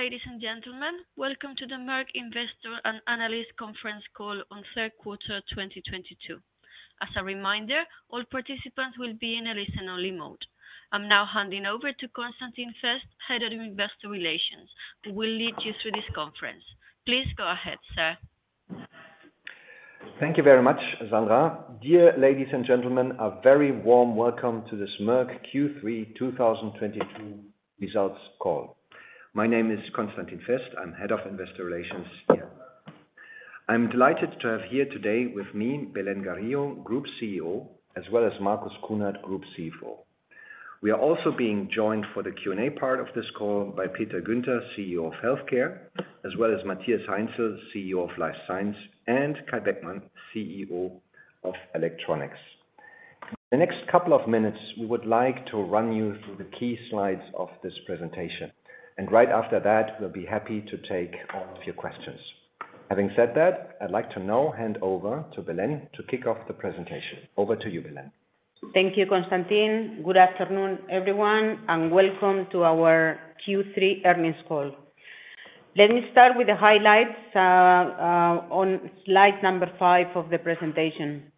Ladies and gentlemen, welcome to the Merck Investor and Analyst Conference Call on Third Quarter 2022. As a reminder, all participants will be in a listen only mode. I'm now handing over to Constantin Fest, Head of Investor Relations, who will lead you through this conference. Please go ahead, sir. Thank you very much, Sandra. Dear ladies and gentlemen, a very warm welcome to this Merck Q3 2022 results call. My name is Constantin Fest, I'm Head of Investor Relations here. I'm delighted to have here today with me, Belén Garijo, Group CEO, as well as Marcus Kuhnert, Group CFO. We are also being joined for the Q&A part of this call by Peter Guenter, CEO of Healthcare, as well as Matthias Heinzel, CEO of Life Science, and Kai Beckmann, CEO of Electronics. The next couple of minutes, we would like to run you through the key slides of this presentation, and right after that, we'll be happy to take all of your questions. Having said that, I'd like to now hand over to Belén to kick off the presentation. Over to you, Belén. Thank you, Constantin. Good afternoon, everyone, and welcome to our Q3 Earnings Call. Let me start with the highlights on slide number five of the presentation.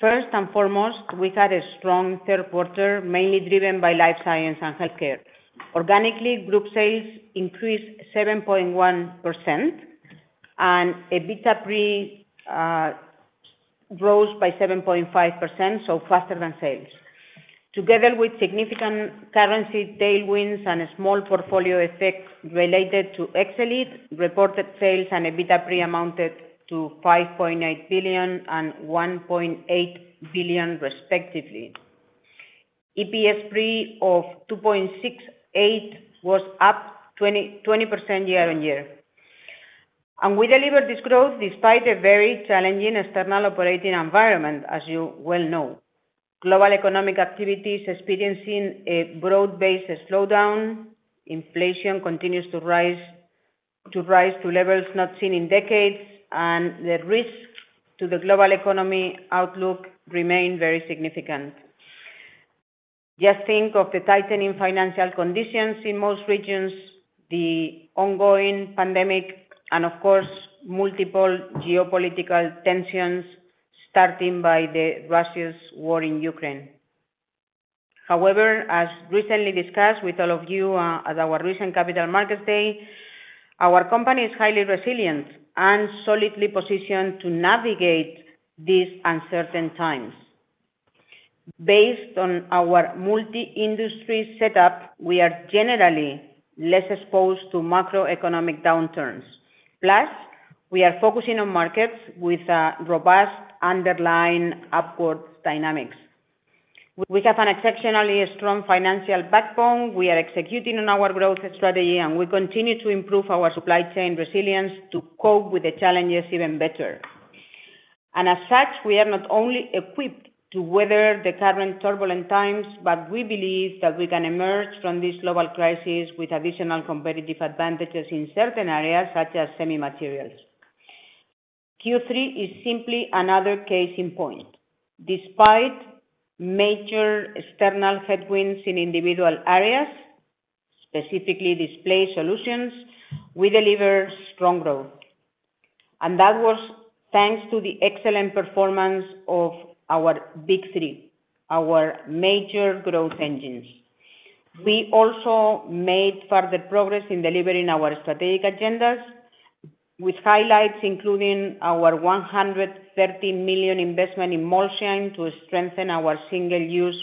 First and foremost, we had a strong third quarter, mainly driven by Life Science and Healthcare. Organically, group sales increased 7.1%, and EBITDA pre rose by 7.5%, so faster than sales. Together with significant currency tailwinds and a small portfolio effect related to Excelead, reported sales and EBITDA pre amounted to 5.8 billion and 1.8 billion, respectively. EPS pre of 2.68 was up 20% year-on-year. We delivered this growth despite a very challenging external operating environment, as you well know. Global economic activity is experiencing a broad-based slowdown. Inflation continues to rise to levels not seen in decades, and the risks to the global economic outlook remain very significant. Just think of the tightening financial conditions in most regions, the ongoing pandemic and of course, multiple geopolitical tensions starting with Russia's war in Ukraine. However, as recently discussed with all of you, at our recent Capital Markets Day, our company is highly resilient and solidly positioned to navigate these uncertain times. Based on our multi-industry setup, we are generally less exposed to macroeconomic downturns. Plus, we are focusing on markets with, robust underlying upward dynamics. We have an exceptionally strong financial backbone. We are executing on our growth strategy, and we continue to improve our supply chain resilience to cope with the challenges even better. As such, we are not only equipped to weather the current turbulent times, but we believe that we can emerge from this global crisis with additional competitive advantages in certain areas, such as semi materials. Q3 is simply another case in point. Despite major external headwinds in individual areas, specifically Display Solutions, we deliver strong growth. That was thanks to the excellent performance of our big three, our major growth engines. We also made further progress in delivering our strategic agendas with highlights including our 130 million investment in Molsheim to strengthen our single-use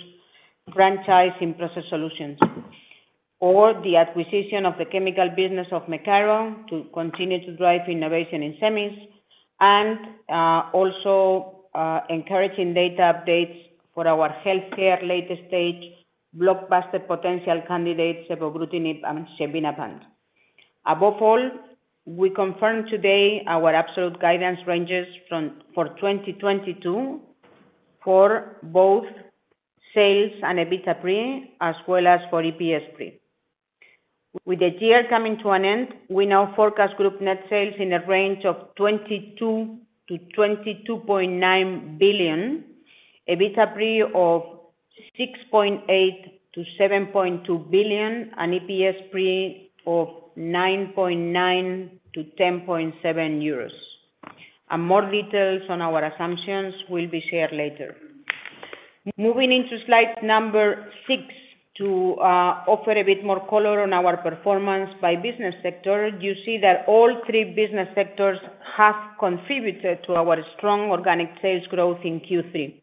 franchise in Process Solutions, or the acquisition of the chemical business of Mecaro to continue to drive innovation in semis and also encouraging data updates for our Healthcare late-stage blockbuster potential candidates, evobrutinib and xevinapant. Above all, we confirm today our absolute guidance ranges for 2022 for both sales and EBITDA pre, as well as for EPS pre. With the year coming to an end, we now forecast group net sales in a range of 22 billion-22.9 billion, EBITDA pre of 6.8 billion-7.2 billion, and EPS pre of 9.9-10.7 euros. More details on our assumptions will be shared later. Moving to slide to offer a bit more color on our performance by business sector, you see that all three business sectors have contributed to our strong organic sales growth in Q3.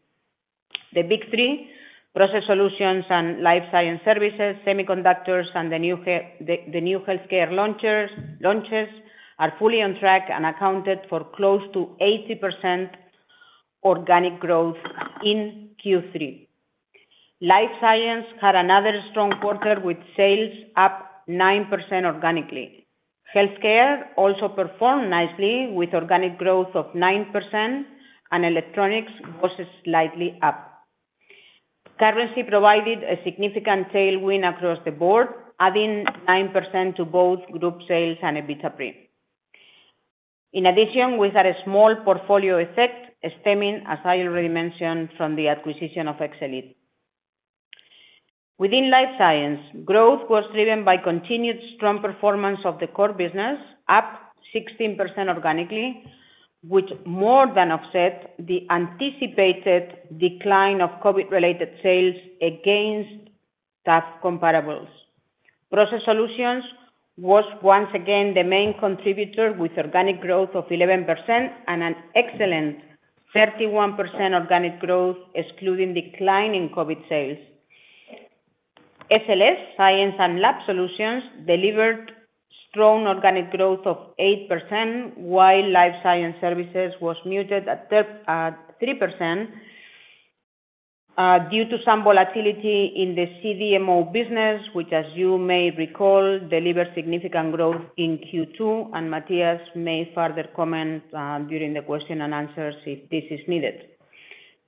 The big three, Process Solutions and Life Science Services, Semiconductor Solutions and the new Healthcare launches are fully on track and accounted for close to 80% organic growth in Q3. Life Science had another strong quarter with sales up 9% organically. Healthcare also performed nicely with organic growth of 9% and Electronics was slightly up. Currency provided a significant tailwind across the board, adding 9% to both group sales and EBITDA pre. In addition, we had a small portfolio effect stemming, as I already mentioned, from the acquisition of Excelead. Within Life Science, growth was driven by continued strong performance of the core business, up 16% organically, which more than offset the anticipated decline of COVID-related sales against tough comparables. Process Solutions was once again the main contributor with organic growth of 11% and an excellent 31% organic growth excluding declining COVID sales. SLS, Science & Lab Solutions, delivered strong organic growth of 8%, while Life Science Services was muted at three percent due to some volatility in the CDMO business, which as you may recall, delivered significant growth in Q2, and Matthias may further comment during the question and answers if this is needed.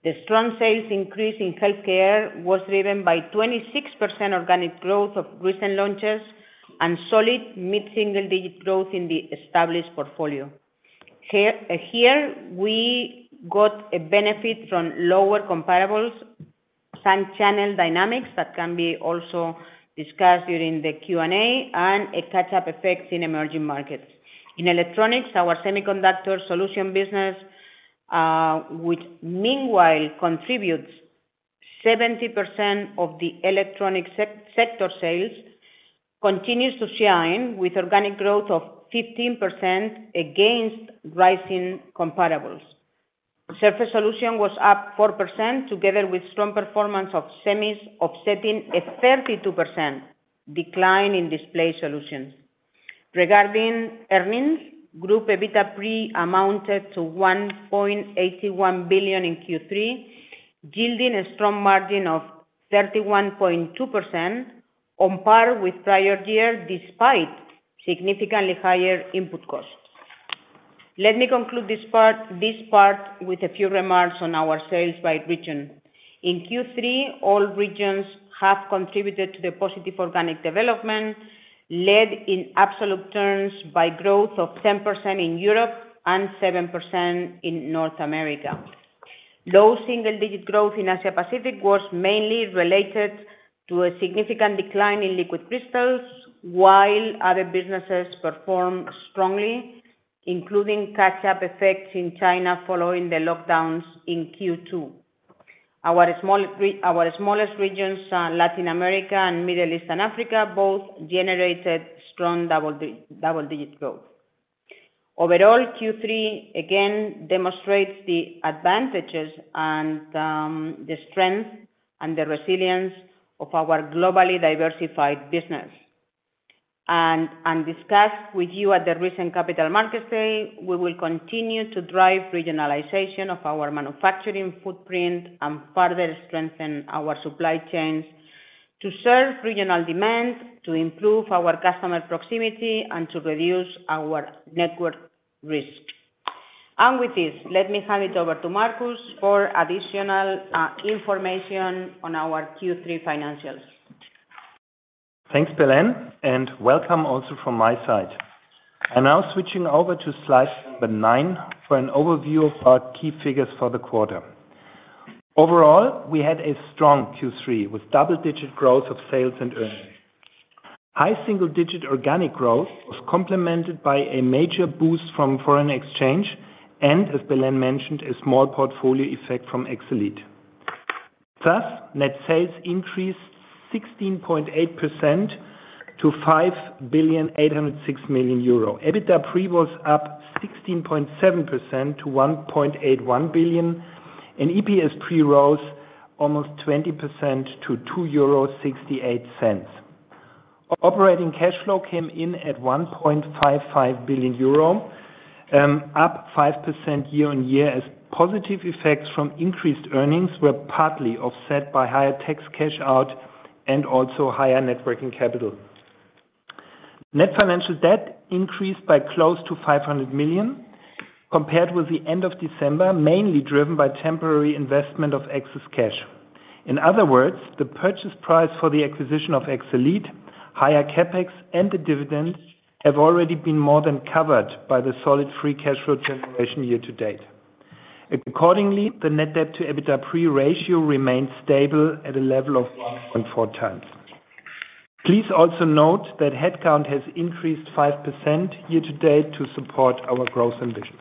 The strong sales increase in healthcare was driven by 26% organic growth of recent launches and solid mid-single-digit growth in the established portfolio. Here, we got a benefit from lower comparables, some channel dynamics that can be also discussed during the Q&A, and a catch-up effect in emerging markets. In Electronics, our Semiconductor Solutions business, which meanwhile contributes 70% of the Electronics sector sales, continues to shine with organic growth of 15% against rising comparables. Surface Solutions was up 4% together with strong performance of semis offsetting a 32% decline in Display Solutions. Regarding earnings, group EBITDA pre amounted to 1.81 billion in Q3, yielding a strong margin of 31.2% on par with prior year, despite significantly higher input costs. Let me conclude this part with a few remarks on our sales by region. In Q3, all regions have contributed to the positive organic development, led in absolute terms by growth of 10% in Europe and 7% in North America. Low single-digit growth in Asia-Pacific was mainly related to a significant decline in Liquid Crystals while other businesses performed strongly, including catch-up effects in China following the lockdowns in Q2. Our smallest regions are Latin America and Middle East and Africa, both generated strong double-digit growth. Overall, Q3 again demonstrates the advantages and the strength and the resilience of our globally diversified business. As we discussed with you at the recent Capital Markets Day, we will continue to drive regionalization of our manufacturing footprint and further strengthen our supply chains to serve regional demand, to improve our customer proximity, and to reduce our network risk. With this, let me hand it over to Marcus for additional information on our Q3 financials. Thanks, Belén, and welcome also from my side. Now switching over to slide nine for an overview of our key figures for the quarter. Overall, we had a strong Q3 with double-digit growth of sales and earnings. High single-digit organic growth was complemented by a major boost from foreign exchange, and as Belén mentioned, a small portfolio effect from Excelead. Thus, net sales increased 16.8% to 5.806 billion. EBITDA pre was up 16.7% to 1.81 billion, and EPS pre rose almost 20% to 2.68 euro. Operating cash flow came in at 1.55 billion euro, up 5% year-on-year as positive effects from increased earnings were partly offset by higher tax cash out and also higher net working capital. Net financial debt increased by close to 500 million compared with the end of December, mainly driven by temporary investment of excess cash. In other words, the purchase price for the acquisition of Excelead, higher CapEx, and the dividends have already been more than covered by the solid free cash flow generation year to date. Accordingly, the net debt to EBITDA pre ratio remains stable at a level of 1.4x. Please also note that headcount has increased 5% year to date to support our growth ambitions.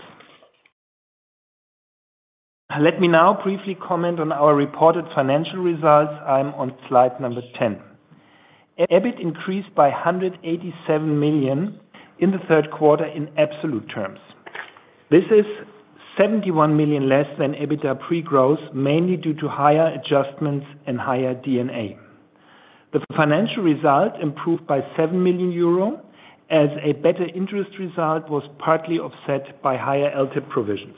Let me now briefly comment on our reported financial results. I'm on slide number 10. EBIT increased by 187 million in the third quarter in absolute terms. This is 71 million less than EBITDA pre-growth, mainly due to higher adjustments and higher D&A. The financial result improved by 7 million euro as a better interest result was partly offset by higher LTIP provisions.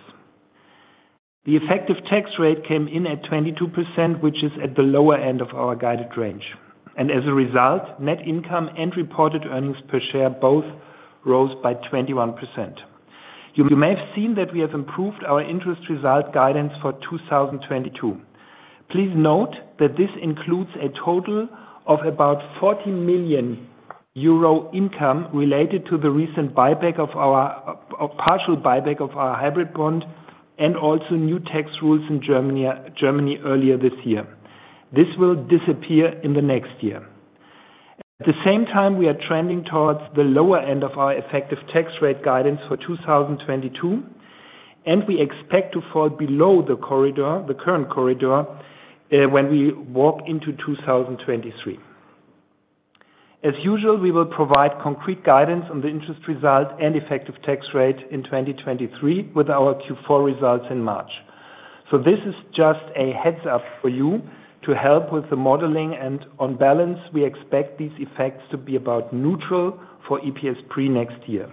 The effective tax rate came in at 22%, which is at the lower end of our guided range. As a result, net income and reported earnings per share both rose by 21%. You may have seen that we have improved our interest result guidance for 2022. Please note that this includes a total of about 40 million euro income related to the recent partial buyback of our hybrid bond and also new tax rules in Germany earlier this year. This will disappear in the next year. At the same time, we are trending towards the lower end of our effective tax rate guidance for 2022, and we expect to fall below the current corridor when we walk into 2023. As usual, we will provide concrete guidance on the interim result and effective tax rate in 2023 with our Q4 results in March. This is just a heads-up for you to help with the modeling and on balance, we expect these effects to be about neutral for EPS pre next year.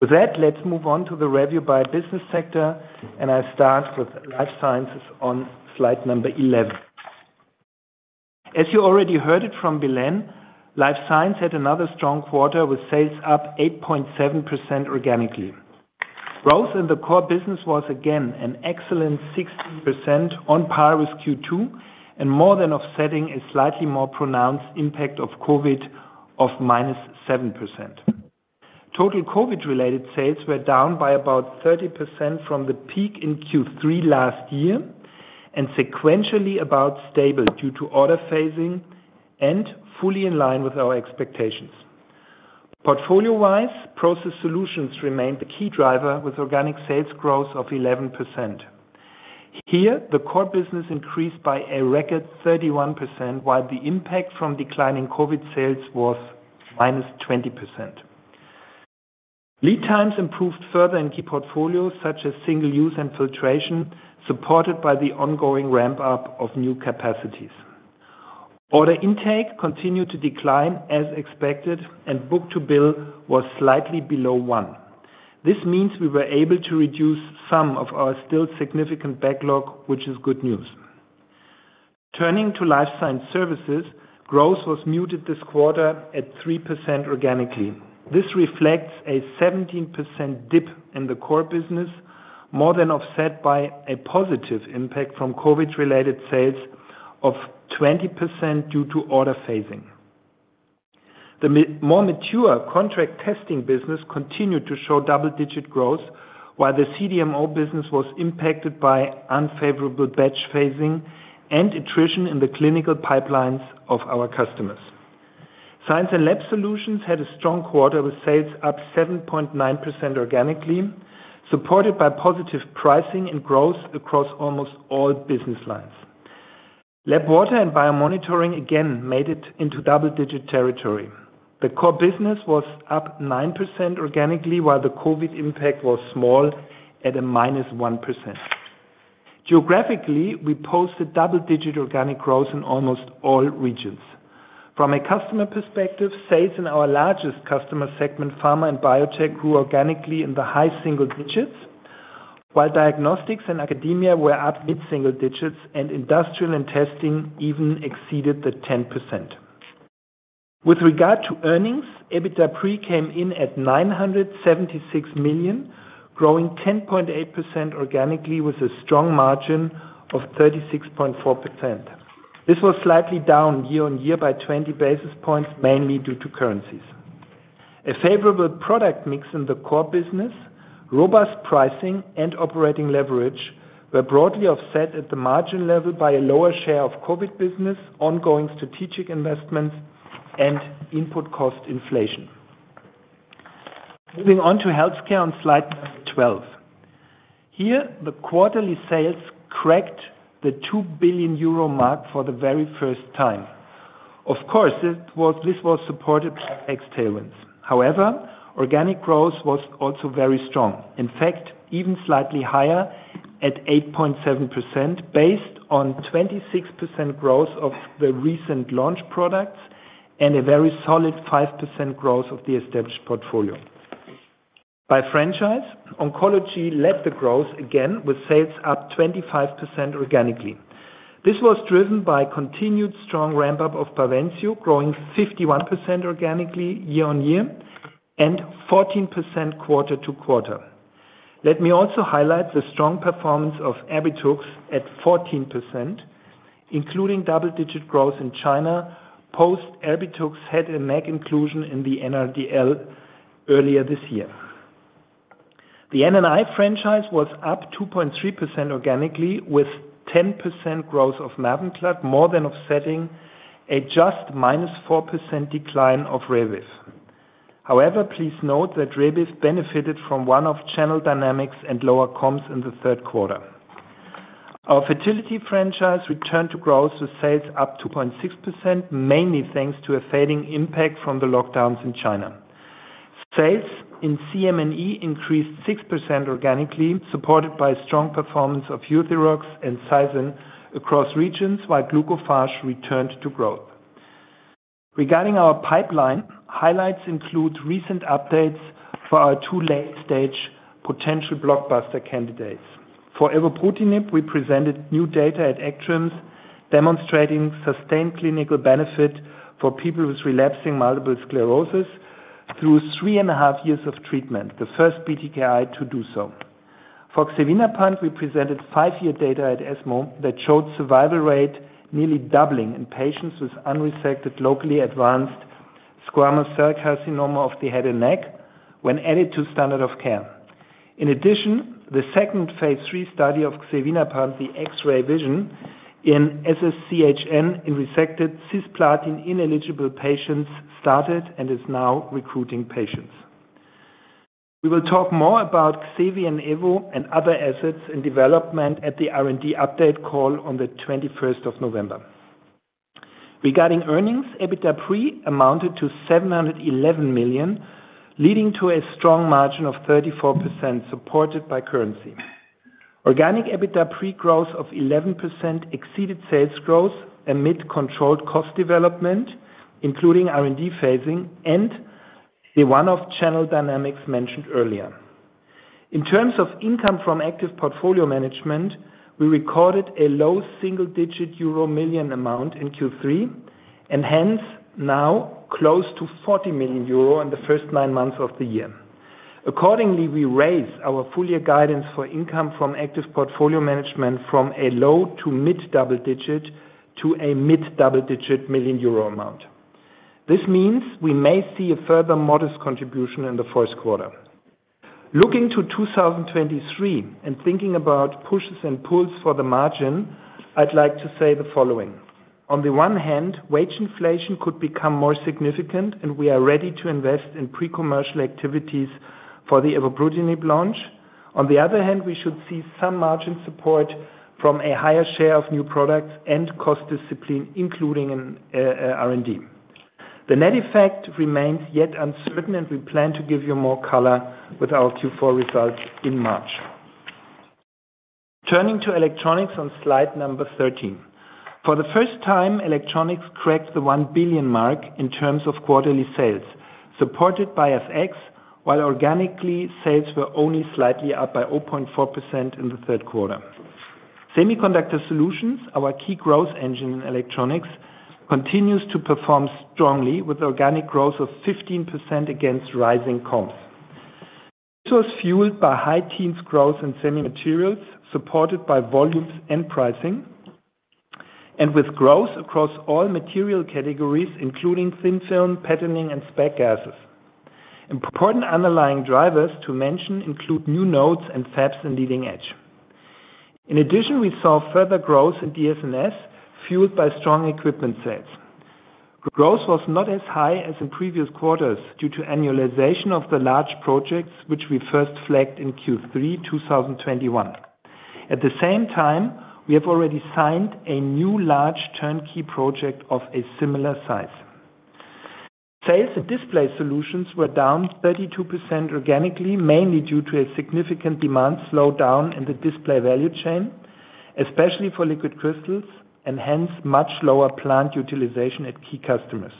With that, let's move on to the review by business sector, and I start with Life Science on slide 11. As you already heard it from Belén, Life Science had another strong quarter with sales up 8.7% organically. Growth in the core business was again an excellent 60% on par with Q2, and more than offsetting a slightly more pronounced impact of COVID of -7%. Total COVID-related sales were down by about 30% from the peak in Q3 last year, and sequentially about stable due to order phasing and fully in line with our expectations. Portfolio-wise, Process Solutions remained the key driver with organic sales growth of 11%. Here, the core business increased by a record 31%, while the impact from declining COVID sales was -20%. Lead times improved further in key portfolios such as single-use and filtration, supported by the ongoing ramp-up of new capacities. Order intake continued to decline as expected, and book-to-bill was slightly below one. This means we were able to reduce some of our still significant backlog, which is good news. Turning to Life Science Services, growth was muted this quarter at 3% organically. This reflects a 17% dip in the core business, more than offset by a positive impact from COVID-related sales of 20% due to order phasing. The more mature contract testing business continued to show double-digit growth, while the CDMO business was impacted by unfavorable batch phasing and attrition in the clinical pipelines of our customers. Science & Lab Solutions had a strong quarter with sales up 7.9% organically, supported by positive pricing and growth across almost all business lines. Lab Water and Biomonitoring again made it into double-digit territory. The core business was up 9% organically, while the COVID impact was small at a -1%. Geographically, we posted double-digit organic growth in almost all regions. From a customer perspective, sales in our largest customer segment, pharma and biotech, grew organically in the high single digits, while diagnostics and academia were up mid-single digits, and industrial and testing even exceeded the 10%. With regard to earnings, EBITDA pre came in at 976 million, growing 10.8% organically with a strong margin of 36.4%. This was slightly down year-on-year by 20 basis points, mainly due to currencies. A favorable product mix in the core business, robust pricing and operating leverage were broadly offset at the margin level by a lower share of COVID business, ongoing strategic investments and input cost inflation. Moving on to healthcare on slide 12. Here, the quarterly sales cracked the 2 billion euro mark for the very first time. Of course, this was supported by FX tailwinds. However, organic growth was also very strong. In fact, even slightly higher at 8.7% based on 26% growth of the recent launch products and a very solid 5% growth of the established portfolio. By franchise, oncology led the growth again with sales up 25% organically. This was driven by continued strong ramp-up of Bavencio, growing 51% organically year-on-year and 14% quarter-to-quarter. Let me also highlight the strong performance of Erbitux at 14%, including double-digit growth in China, post Erbitux head and neck inclusion in the NRDL earlier this year. The N&I franchise was up 2.3% organically, with 10% growth of Mavenclad more than offsetting a just -4% decline of Rebif. However, please note that Rebif benefited from one-off channel dynamics and lower comps in the third quarter. Our fertility franchise returned to growth with sales up 2.6%, mainly thanks to a fading impact from the lockdowns in China. Sales in CM&E increased 6% organically, supported by strong performance of Euthyrox and Saizen across regions, while Glucophage returned to growth. Regarding our pipeline, highlights include recent updates for our two late stage potential blockbuster candidates. For evobrutinib, we presented new data at ACTRIMS demonstrating sustained clinical benefit for people with relapsing multiple sclerosis. Through three and a half years of treatment, the first BTKI to do so. For xevinapant, we presented five year data at ESMO that showed survival rate nearly doubling in patients with unresected, locally advanced squamous cell carcinoma of the head and neck when added to standard of care. In addition, the second phase III study of xevinapant, the X-Ray Vision in SSCHN in resected cisplatin ineligible patients started and is now recruiting patients. We will talk more about xevi and evobrutinib and other assets in development at the R&D update call on the 21st of November. Regarding earnings, EBITDA pre amounted to 711 million, leading to a strong margin of 34% supported by currency. Organic EBITDA pre growth of 11% exceeded sales growth amid controlled cost development, including R&D phasing and the one-off channel dynamics mentioned earlier. In terms of income from active portfolio management, we recorded a low single-digit euro million amount in Q3, and hence now close to 40 million euro in the first nine months of the year. Accordingly, we raise our full-year guidance for income from active portfolio management from a low- to mid-double-digit to a mid-double-digit million euro amount. This means we may see a further modest contribution in the first quarter. Looking to 2023 and thinking about pushes and pulls for the margin, I'd like to say the following. On the one hand, wage inflation could become more significant, and we are ready to invest in pre-commercial activities for the evobrutinib launch. On the other hand, we should see some margin support from a higher share of new products and cost discipline, including R&D. The net effect remains yet uncertain, and we plan to give you more color with our Q4 results in March. Turning to electronics on slide 13. For the first time, Electronics cracked the 1 billion mark in terms of quarterly sales, supported by FX, while organically, sales were only slightly up by 0.4% in the third quarter. Semiconductor Solutions, our key growth engine in Electronics, continues to perform strongly with organic growth of 15% against rising comps. This was fueled by high teens growth in semi materials, supported by volumes and pricing, and with growth across all material categories, including thin film, patterning, and specialty gases. Important underlying drivers to mention include new nodes and fabs in leading edge. In addition, we saw further growth in DSNS, fueled by strong equipment sales. Growth was not as high as in previous quarters due to annualization of the large projects, which we first flagged in Q3 2021. At the same time, we have already signed a new large turnkey project of a similar size. Sales at Display Solutions were down 32% organically, mainly due to a significant demand slowdown in the display value chain, especially for Liquid Crystals and hence much lower plant utilization at key customers.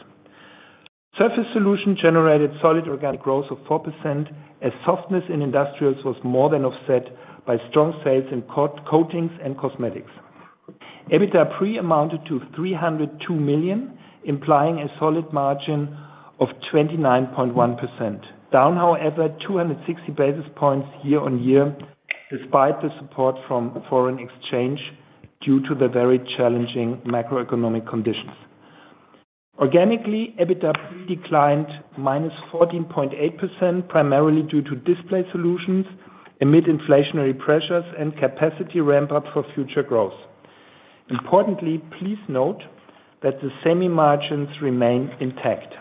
Surface Solutions generated solid organic growth of 4% as softness in industrials was more than offset by strong sales in coatings and cosmetics. EBITDA pre amounted to 302 million, implying a solid margin of 29.1%. Down, however, 260 basis points year-on-year despite the support from foreign exchange due to the very challenging macroeconomic conditions. Organically, EBITDA pre declined -14.8%, primarily due to Display Solutions amid inflationary pressures and capacity ramp-up for future growth. Importantly, please note that the semi margins remain intact.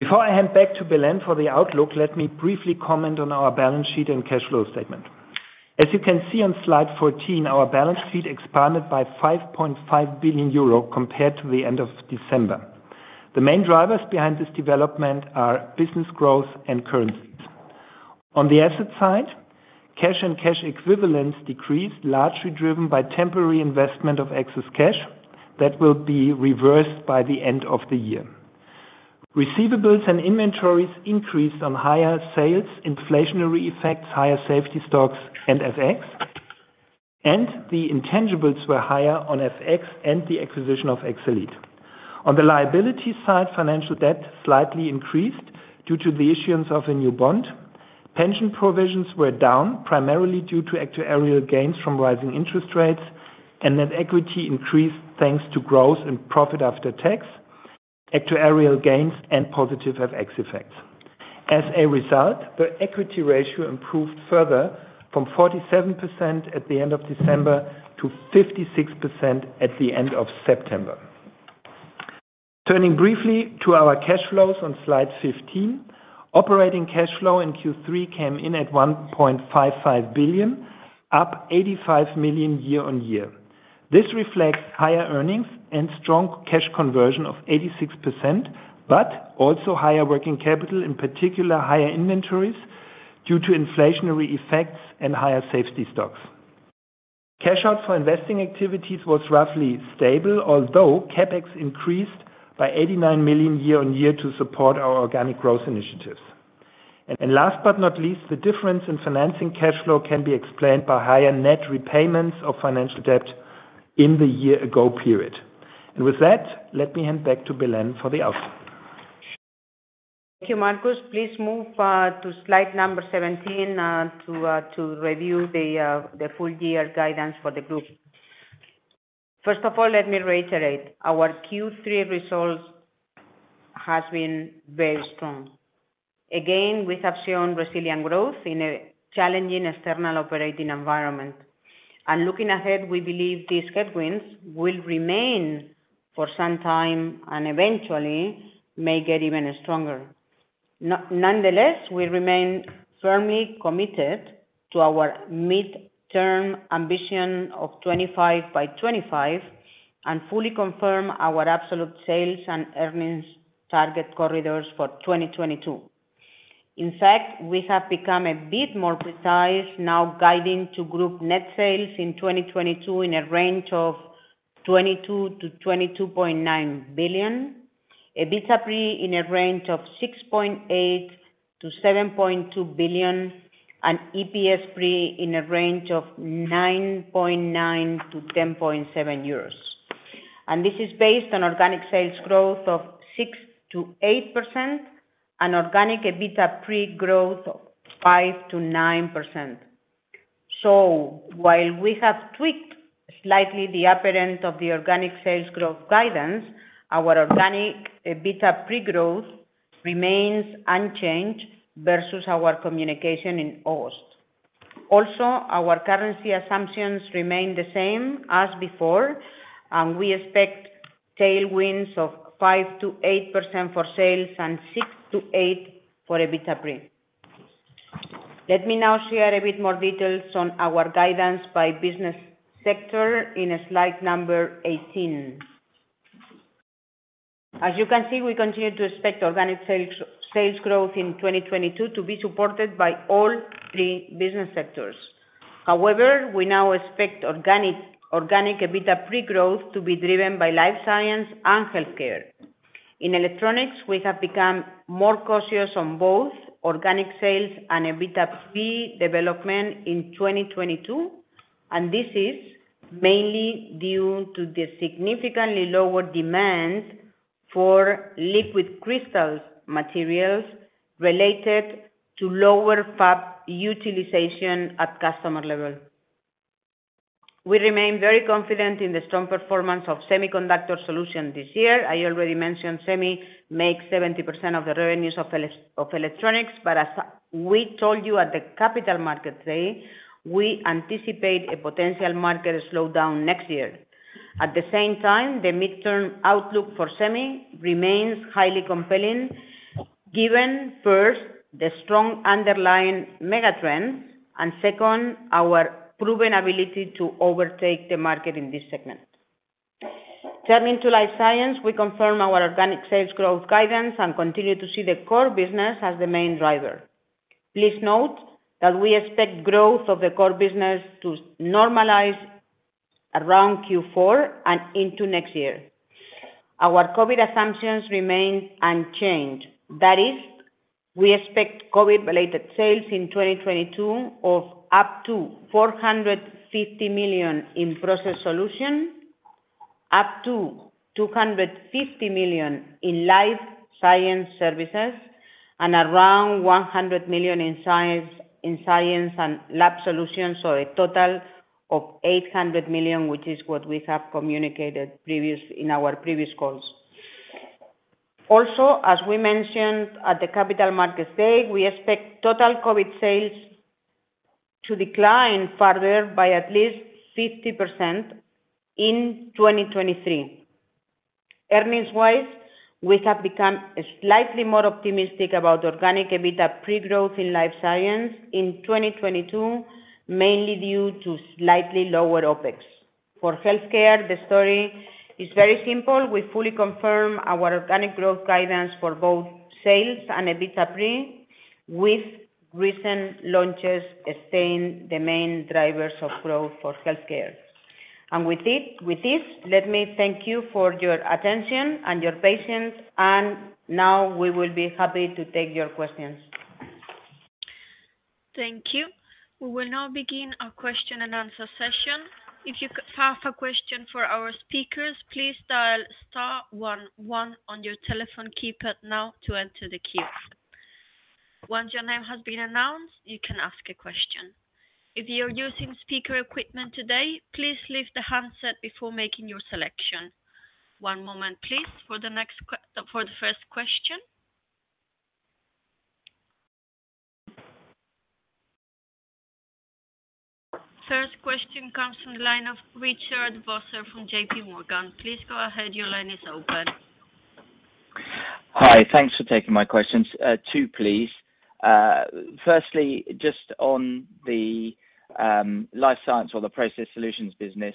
Before I hand back to Belén for the outlook, let me briefly comment on our balance sheet and cash flow statement. As you can see on slide 14, our balance sheet expanded by 5.5 billion euro compared to the end of December. The main drivers behind this development are business growth and currencies. On the asset side, cash and cash equivalents decreased, largely driven by temporary investment of excess cash that will be reversed by the end of the year. Receivables and inventories increased on higher sales, inflationary effects, higher safety stocks and FX. The intangibles were higher on FX and the acquisition of Excelead. On the liability side, financial debt slightly increased due to the issuance of a new bond. Pension provisions were down, primarily due to actuarial gains from rising interest rates, and net equity increased thanks to growth and profit after tax, actuarial gains, and positive FX effects. As a result, the equity ratio improved further from 47% at the end of December to 56% at the end of September. Turning briefly to our cash flows on slide 15. Operating cash flow in Q3 came in at 1.55 billion, up 85 million year-on-year. This reflects higher earnings and strong cash conversion of 86%, but also higher working capital, in particular, higher inventories due to inflationary effects and higher safety stocks. Cash out for investing activities was roughly stable, although CapEx increased by 89 million year-on-year to support our organic growth initiatives. Last but not least, the difference in financing cash flow can be explained by higher net repayments of financial debt in the year ago period. With that, let me hand back to Belén for the outcome. Thank you, Marcus. Please move to slide number 17 to review the full year guidance for the group. First of all, let me reiterate, our Q3 results has been very strong. Again, we have shown resilient growth in a challenging external operating environment. Looking ahead, we believe these headwinds will remain for some time, and eventually may get even stronger. Nonetheless, we remain firmly committed to our mid-term ambition of 25 by 25, and fully confirm our absolute sales and earnings target corridors for 2022. In fact, we have become a bit more precise now guiding to group net sales in 2022 in a range of 22-22.9 billion. EBITDA pre in a range of 6.8-7.2 billion, and EPS pre in a range of 9.9-10.7 euros. This is based on organic sales growth of 6%-8% and organic EBITDA pre-growth 5%-9%. While we have tweaked slightly the upper end of the organic sales growth guidance, our organic EBITDA pre-growth remains unchanged versus our communication in August. Also, our currency assumptions remain the same as before, and we expect tailwinds of 5%-8% for sales and 6%-8% for EBITDA pre. Let me now share a bit more details on our guidance by business sector in slide number 18. As you can see, we continue to expect organic sales growth in 2022 to be supported by all three business sectors. However, we now expect organic EBITDA pre-growth to be driven by Life Science and Healthcare. In electronics, we have become more cautious on both organic sales and EBITDA pre development in 2022, and this is mainly due to the significantly lower demand for Liquid Crystals materials related to lower fab utilization at customer level. We remain very confident in the strong performance of Semiconductor Solutions this year. I already mentioned Semi makes 70% of the revenues of electronics, but as we told you at the Capital Markets Day, we anticipate a potential market slowdown next year. At the same time, the midterm outlook for Semi remains highly compelling, given, first, the strong underlying megatrend. Second, our proven ability to overtake the market in this segment. Turning to Life Science, we confirm our organic sales growth guidance and continue to see the core business as the main driver. Please note that we expect growth of the core business to normalize around Q4 and into next year. Our COVID assumptions remain unchanged. That is, we expect COVID-related sales in 2022 of up to 450 million in Process Solutions, up to 250 million in Life Science Services, and around 100 million in Science & Lab Solutions, so a total of 800 million, which is what we have communicated previously, in our previous calls. Also, as we mentioned at the Capital Markets Day, we expect total COVID sales to decline further by at least 50% in 2023. Earnings wise, we have become slightly more optimistic about organic EBITDA pre-growth in Life Science in 2022, mainly due to slightly lower OpEx. For healthcare, the story is very simple. We fully confirm our organic growth guidance for both sales and EBITDA pre, with recent launches staying the main drivers of growth for healthcare. With it, with this, let me thank you for your attention and your patience, and now we will be happy to take your questions. Thank you. We will now begin our question and answer session. If you have a question for our speakers, please dial star one one on your telephone keypad now to enter the queue. Once your name has been announced, you can ask a question. If you're using speaker equipment today, please leave the handset before making your selection. One moment please for the first question. First question comes from the line of Richard Vosser from J.P. Morgan. Please go ahead, your line is open. Hi. Thanks for taking my questions. Two, please. Firstly, just on the Life Science or the Process Solutions business,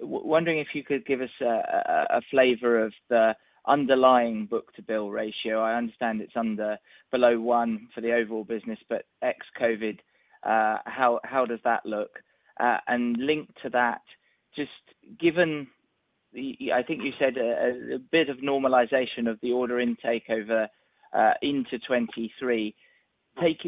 wondering if you could give us a flavor of the underlying book-to-bill ratio. I understand it's under below one for the overall business, but ex-COVID, how does that look? Linked to that, just given I think you said a bit of normalization of the order intake over into 2023.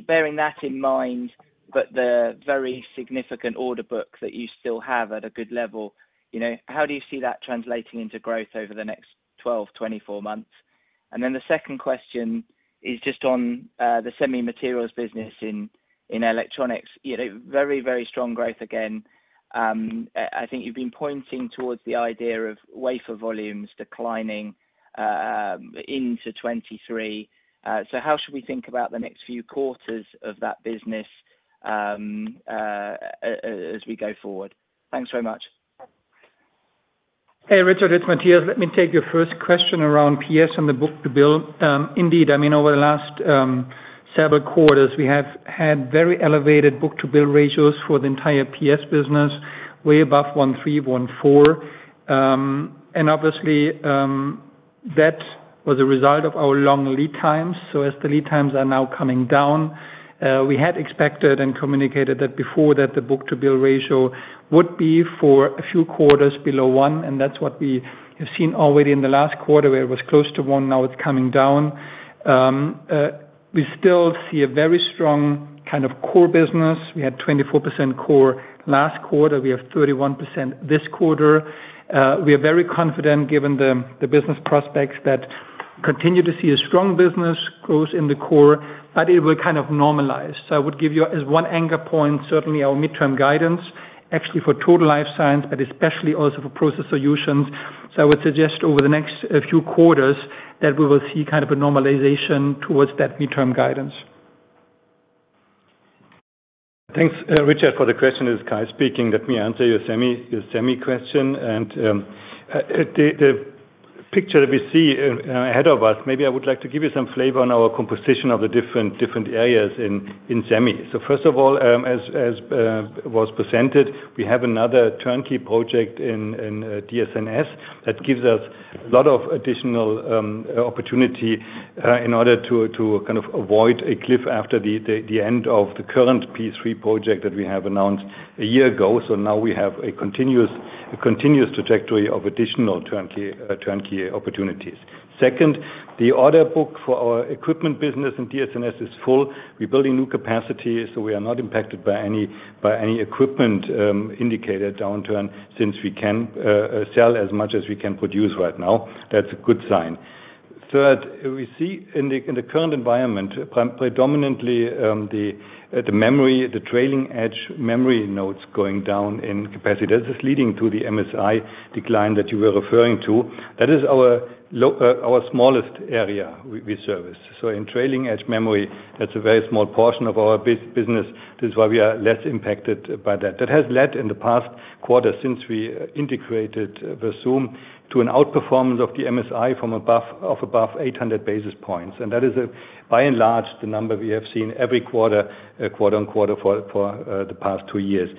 Bearing that in mind, but the very significant order book that you still have at a good level, you know, how do you see that translating into growth over the next 12, 24 months? The second question is just on the semi materials business in electronics, you know, very, very strong growth again. I think you've been pointing towards the idea of wafer volumes declining into 2023. How should we think about the next few quarters of that business as we go forward? Thanks very much. Hey, Richard Vosser, it's Matthias. Let me take your first question around PS and the book-to-bill. Indeed, I mean, over the last several quarters, we have had very elevated book-to-bill ratios for the entire PS business, way above 1.3, 1.4. And obviously, that was a result of our long lead times. As the lead times are now coming down, we had expected and communicated that before that the book-to-bill ratio would be for a few quarters below one, and that's what we have seen already in the last quarter, where it was close to one. Now, it's coming down. We still see a very strong kind of core business. We had 24% core last quarter. We have 31% this quarter. We are very confident given the business prospects that continue to see a strong business growth in the core, but it will kind of normalize. I would give you as one anchor point, certainly our medium-term guidance, actually for total Life Science, but especially also for Process Solutions. I would suggest over the next few quarters that we will see kind of a normalization towards that medium-term guidance. Thanks, Richard, for the question. It's Kai speaking. Let me answer your semi question. The picture that we see ahead of us, maybe I would like to give you some flavor on our composition of the different areas in semi. First of all, as was presented, we have another turnkey project in DSNS that gives us a lot of additional opportunity in order to kind of avoid a cliff after the end of the current P3 project that we have announced a year ago. Now we have a continuous trajectory of additional turnkey opportunities. Second, the order book for our equipment business in DSNS is full. We're building new capacity, so we are not impacted by any equipment investment downturn since we can sell as much as we can produce right now. That's a good sign. Third, we see in the current environment, predominantly the memory trailing edge memory nodes going down in capacity. That is leading to the MSI decline that you were referring to. That is our smallest area we service. So in trailing edge memory, that's a very small portion of our business. This is why we are less impacted by that. That has led in the past quarter since we integrated Versum to an outperformance of the MSI of above 800 basis points. That is, by and large, the number we have seen every quarter on quarter for the past two years.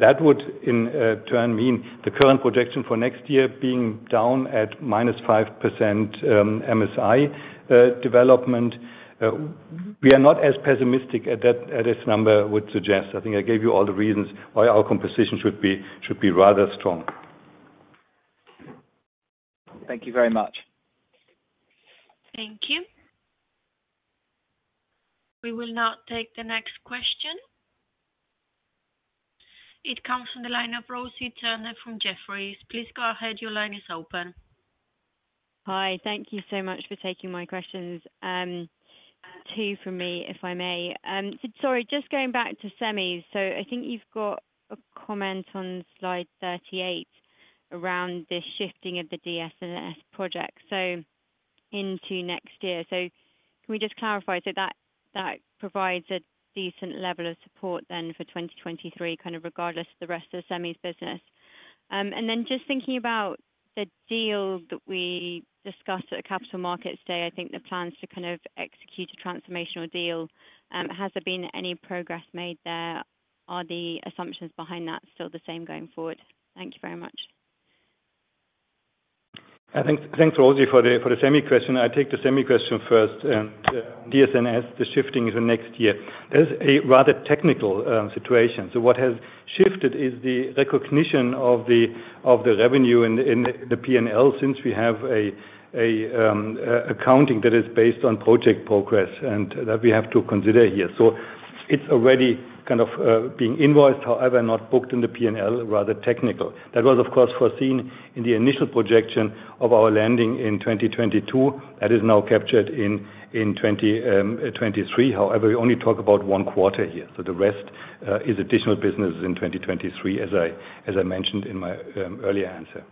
That would, in turn, mean the current projection for next year being down at -5% MSI development. We are not as pessimistic as that number would suggest. I think I gave you all the reasons why our composition should be rather strong. Thank you very much. Thank you. We will now take the next question. It comes from the line of Rosie Turner from Jefferies. Please go ahead. Your line is open. Hi. Thank you so much for taking my questions. Two from me, if I may. Sorry, just going back to semis. I think you've got a comment on slide 38 around the shifting of the DSNS project, so into next year. Can we just clarify that that provides a decent level of support then for 2023, kind of regardless of the rest of the semis business? Just thinking about the deal that we discussed at the Capital Markets Day, I think the plans to kind of execute a transformational deal. Has there been any progress made there? Are the assumptions behind that still the same going forward? Thank you very much. Thanks, Rosie, for the semi question. I take the semi question first. DSNS, the shifting is next year. There's a rather technical situation. What has shifted is the recognition of the revenue in the P&L since we have an accounting that is based on project progress and that we have to consider here. It's already kind of being invoiced, however, not booked in the P&L, rather technical. That was, of course, foreseen in the initial projection of our landing in 2022. That is now captured in 2023. However, we only talk about one quarter here. The rest is additional businesses in 2023, as I mentioned in my earlier answer.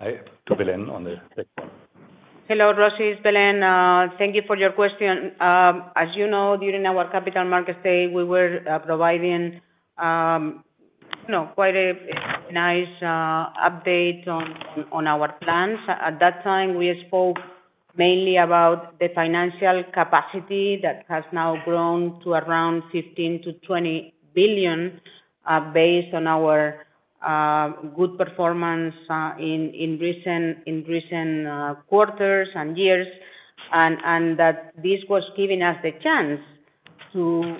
I have Belén on the next one. Hello, Rosie. It's Belén. Thank you for your question. As you know, during our Capital Markets Day, we were providing, you know, quite a nice update on our plans. At that time, we spoke mainly about the financial capacity that has now grown to around 15 billion-20 billion, based on our good performance in recent quarters and years, and that this was giving us the chance To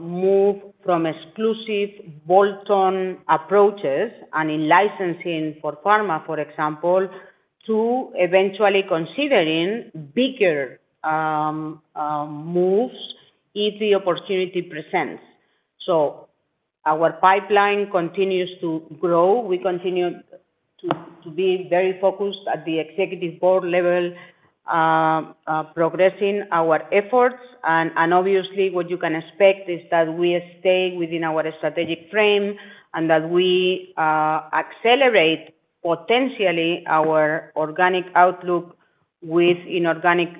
move from exclusive bolt-on approaches and in licensing for pharma, for example, to eventually considering bigger moves if the opportunity presents. Our pipeline continues to grow. We continue to be very focused at the executive board level, progressing our efforts and obviously what you can expect is that we stay within our strategic frame and that we accelerate potentially our organic outlook with inorganic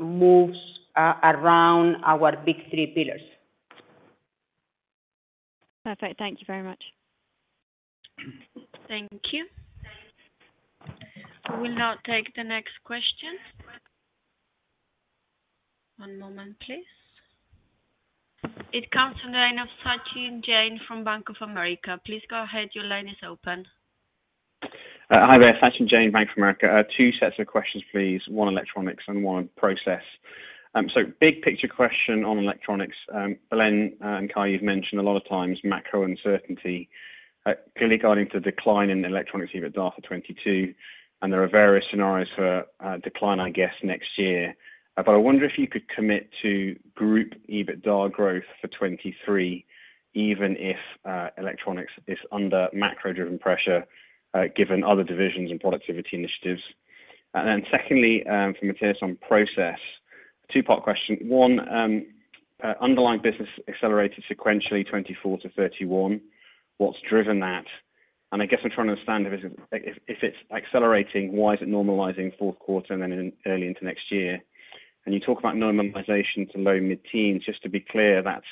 moves around our big three pillars. Perfect. Thank you very much. Thank you. We will now take the next question. One moment, please. It comes from the line of Sachin Jain from Bank of America. Please go ahead. Your line is open. Hi there, Sachin Jain, Bank of America. Two sets of questions, please. One electronics and one process. Big picture question on electronics. Belén and Kai, you've mentioned a lot of times macro uncertainty, clearly regarding the decline in the electronics EBITDA for 2022, and there are various scenarios for decline, I guess, next year. I wonder if you could commit to group EBITDA growth for 2023, even if electronics is under macro-driven pressure, given other divisions and productivity initiatives. Then secondly, for Matthias on process, two-part question. One, underlying business accelerated sequentially 24%-31%. What's driven that? I guess I'm trying to understand if it's accelerating, why is it normalizing fourth quarter and then early into next year. You talk about normalization to low- to mid-teens. Just to be clear, that's,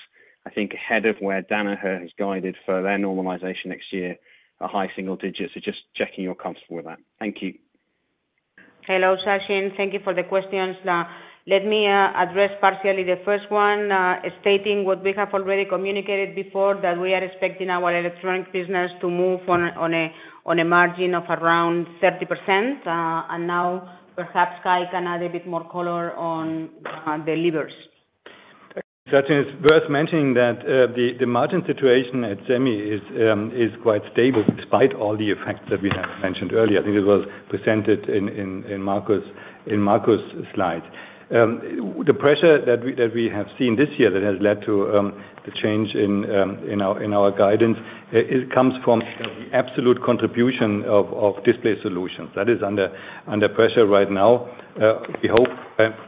I think, ahead of where Danaher has guided for their normalization next year at high single digits. Just checking you're comfortable with that. Thank you. Hello, Sachin. Thank you for the questions. Let me address partially the first one, stating what we have already communicated before, that we are expecting our Electronics business to move on a margin of around 30%. Now perhaps Kai can add a bit more color on the levers. Sachin, it's worth mentioning that the margin situation at Semi is quite stable despite all the effects that we have mentioned earlier. I think it was presented in Marcus's slides. The pressure that we have seen this year that has led to the change in our guidance, it comes from the absolute contribution of Display Solutions. That is under pressure right now. We hope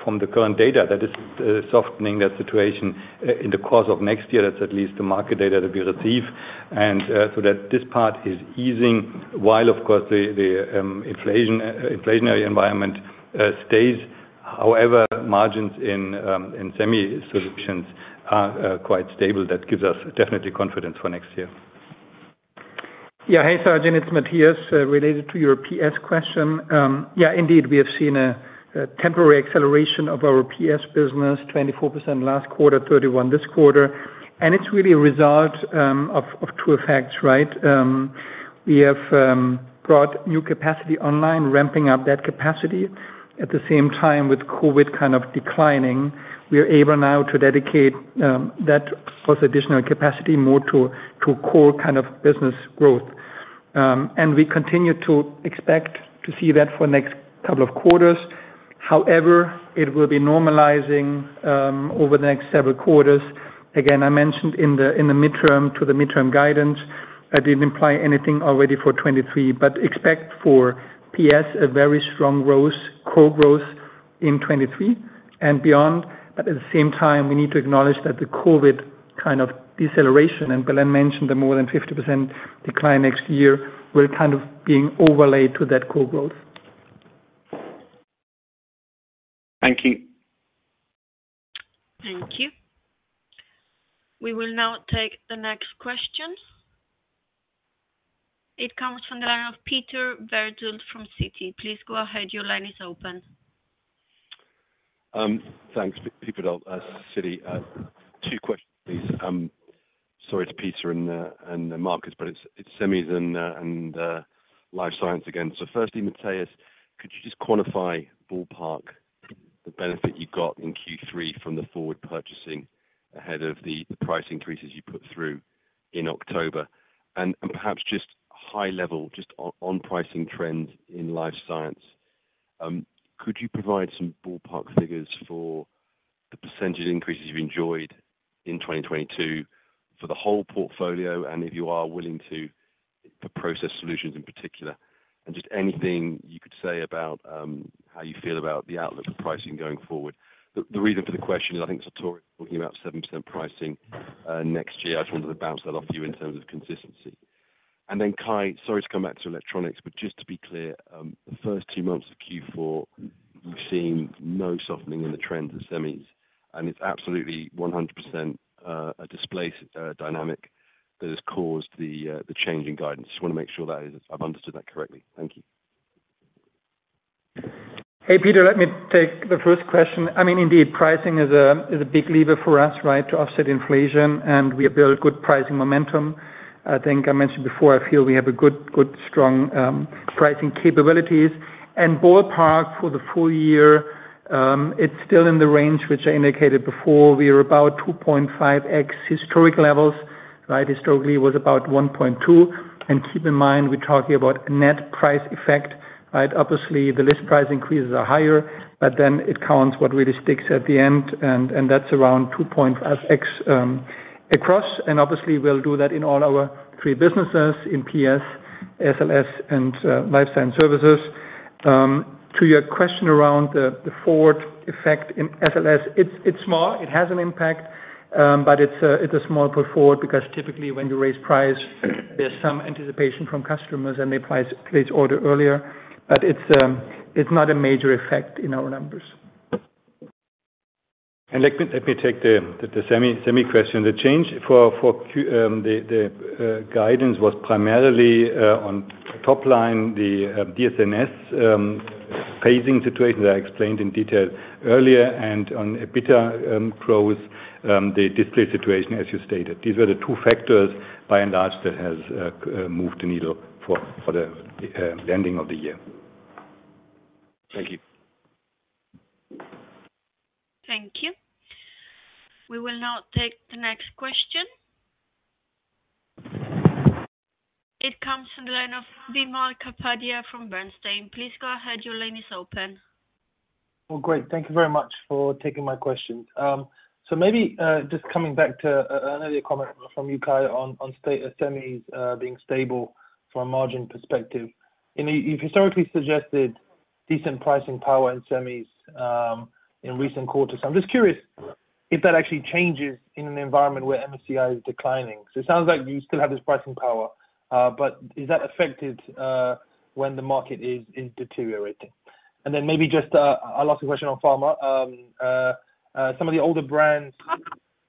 from the current data that is softening that situation in the course of next year. That's at least the market data that we receive. That this part is easing while, of course, the inflationary environment stays. However, margins in Semi Solutions are quite stable. That gives us definitely confidence for next year. Yeah. Hey, Sachin, it's Matthias. Related to your PS question. Yeah, indeed, we have seen a temporary acceleration of our PS business, 24% last quarter, 31% this quarter. It's really a result of two effects, right? We have brought new capacity online, ramping up that capacity. At the same time, with COVID kind of declining, we are able now to dedicate that plus additional capacity more to core kind of business growth. We continue to expect to see that for next couple of quarters. However, it will be normalizing over the next several quarters. Again, I mentioned in the mid-term guidance, I didn't imply anything already for 2023. Expect for PS a very strong growth, core growth in 2023 and beyond. At the same time, we need to acknowledge that the COVID kind of deceleration, and Belén mentioned the more than 50% decline next year, will kind of be overlaid to that core growth. Thank you. Thank you. We will now take the next question. It comes from the line of Peter Verdult from Citi. Please go ahead. Your line is open. Thanks. Peter Verdult, Citi. Two questions, please. Sorry to Peter and Marcus Kuhnert, but it's Semis and Life Science again. First, Matthias, could you just quantify ballpark the benefit you got in Q3 from the forward purchasing ahead of the price increases you put through in October? Perhaps just high level on pricing trends in Life Science, could you provide some ballpark figures for the percentage increases you've enjoyed in 2022 for the whole portfolio, and if you are willing to, for Process Solutions in particular? Just anything you could say about how you feel about the outlook of pricing going forward. The reason for the question is I think Sartorius is talking about 7% pricing next year. I just wanted to bounce that off you in terms of consistency. Then Kai, sorry to come back to electronics, but just to be clear, the first two months of Q4, you've seen no softening in the trends of semis, and it's absolutely 100%, a displacement dynamic that has caused the change in guidance. Just wanna make sure that is, I've understood that correctly. Thank you. Hey, Peter, let me take the first question. I mean, indeed, pricing is a big lever for us, right, to offset inflation, and we have built good pricing momentum. I think I mentioned before, I feel we have a good strong pricing capabilities. Ballpark for the full year. It's still in the range which I indicated before. We are about 2.5x historic levels, right? Historically it was about 1.2. Keep in mind we're talking about net price effect, right? Obviously, the list price increases are higher, but then it counts what really sticks at the end, and that's around 2.5x across. Obviously we'll do that in all our three businesses in PS, SLS, and Life Science Services. To your question around the pull-forward effect in SLS. It's small. It has an impact, but it's a small pull-forward because typically when you raise price, there's some anticipation from customers, and they place order earlier. But it's not a major effect in our numbers. Let me take the semi question. The change for the guidance was primarily on top line, the DSNS phasing situation that I explained in detail earlier and on EBITDA growth, the display situation as you stated. These were the two factors by and large that has moved the needle for the ending of the year. Thank you. Thank you. We will now take the next question. It comes from the line of Wimal Kapadia from Bernstein. Please go ahead. Your line is open. Well, great. Thank you very much for taking my questions. Maybe just coming back to earlier comment from you, Kai, on semis being stable from a margin perspective. You've historically suggested decent pricing power in semis in recent quarters. I'm just curious if that actually changes in an environment where MSI is declining. It sounds like you still have this pricing power, but is that affected when the market is deteriorating? Then maybe just our last question on pharma. Some of the older brands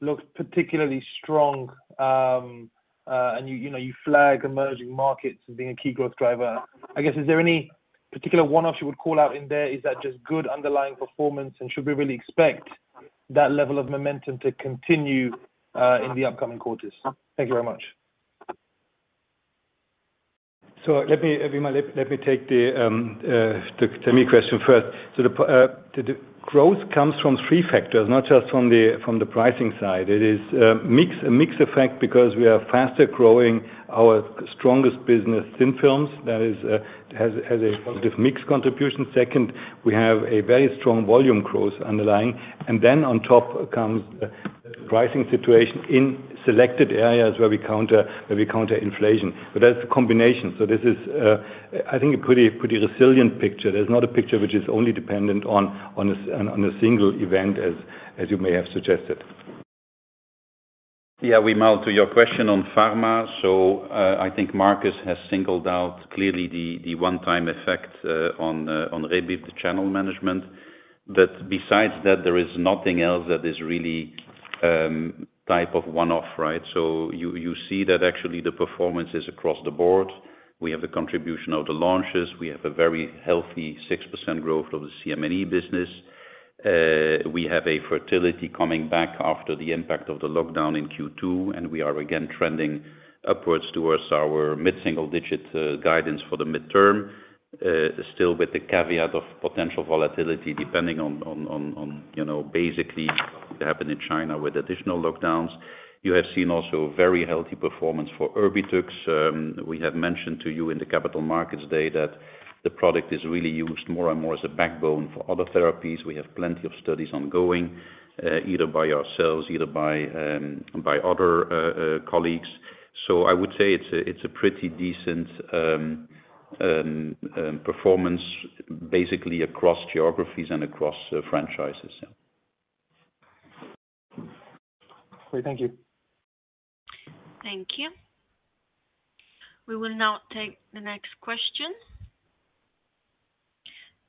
look particularly strong. You know, you flag emerging markets as being a key growth driver. I guess, is there any particular one-offs you would call out in there? Is that just good underlying performance and should we really expect that level of momentum to continue in the upcoming quarters? Thank you very much. Let me, Wimal, take the semi question first. The growth comes from three factors, not just from the pricing side. It is a mix effect because we are faster growing our strongest business Thin Films that has a positive mix contribution. Second, we have a very strong volume growth underlying. On top comes the pricing situation in selected areas where we counter inflation. That's a combination. This is, I think, a pretty resilient picture. There's not a picture which is only dependent on a single event as you may have suggested. Yeah. Wimal, to your question on pharma. I think Marcus has singled out clearly the one-time effect on rebate channel management. That besides that there is nothing else that is really type of one-off, right? You see that actually the performance is across the board. We have the contribution of the launches. We have a very healthy 6% growth of the CM&E business. We have a fertility coming back after the impact of the lockdown in Q2, and we are again trending upwards towards our mid-single digit guidance for the mid-term. Still with the caveat of potential volatility depending on you know, basically what happened in China with additional lockdowns. You have seen also very healthy performance for Erbitux. We have mentioned to you in the Capital Markets Day that the product is really used more and more as a backbone for other therapies. We have plenty of studies ongoing, either by ourselves, by other colleagues. I would say it's a pretty decent performance basically across geographies and across franchises. Great. Thank you. Thank you. We will now take the next question.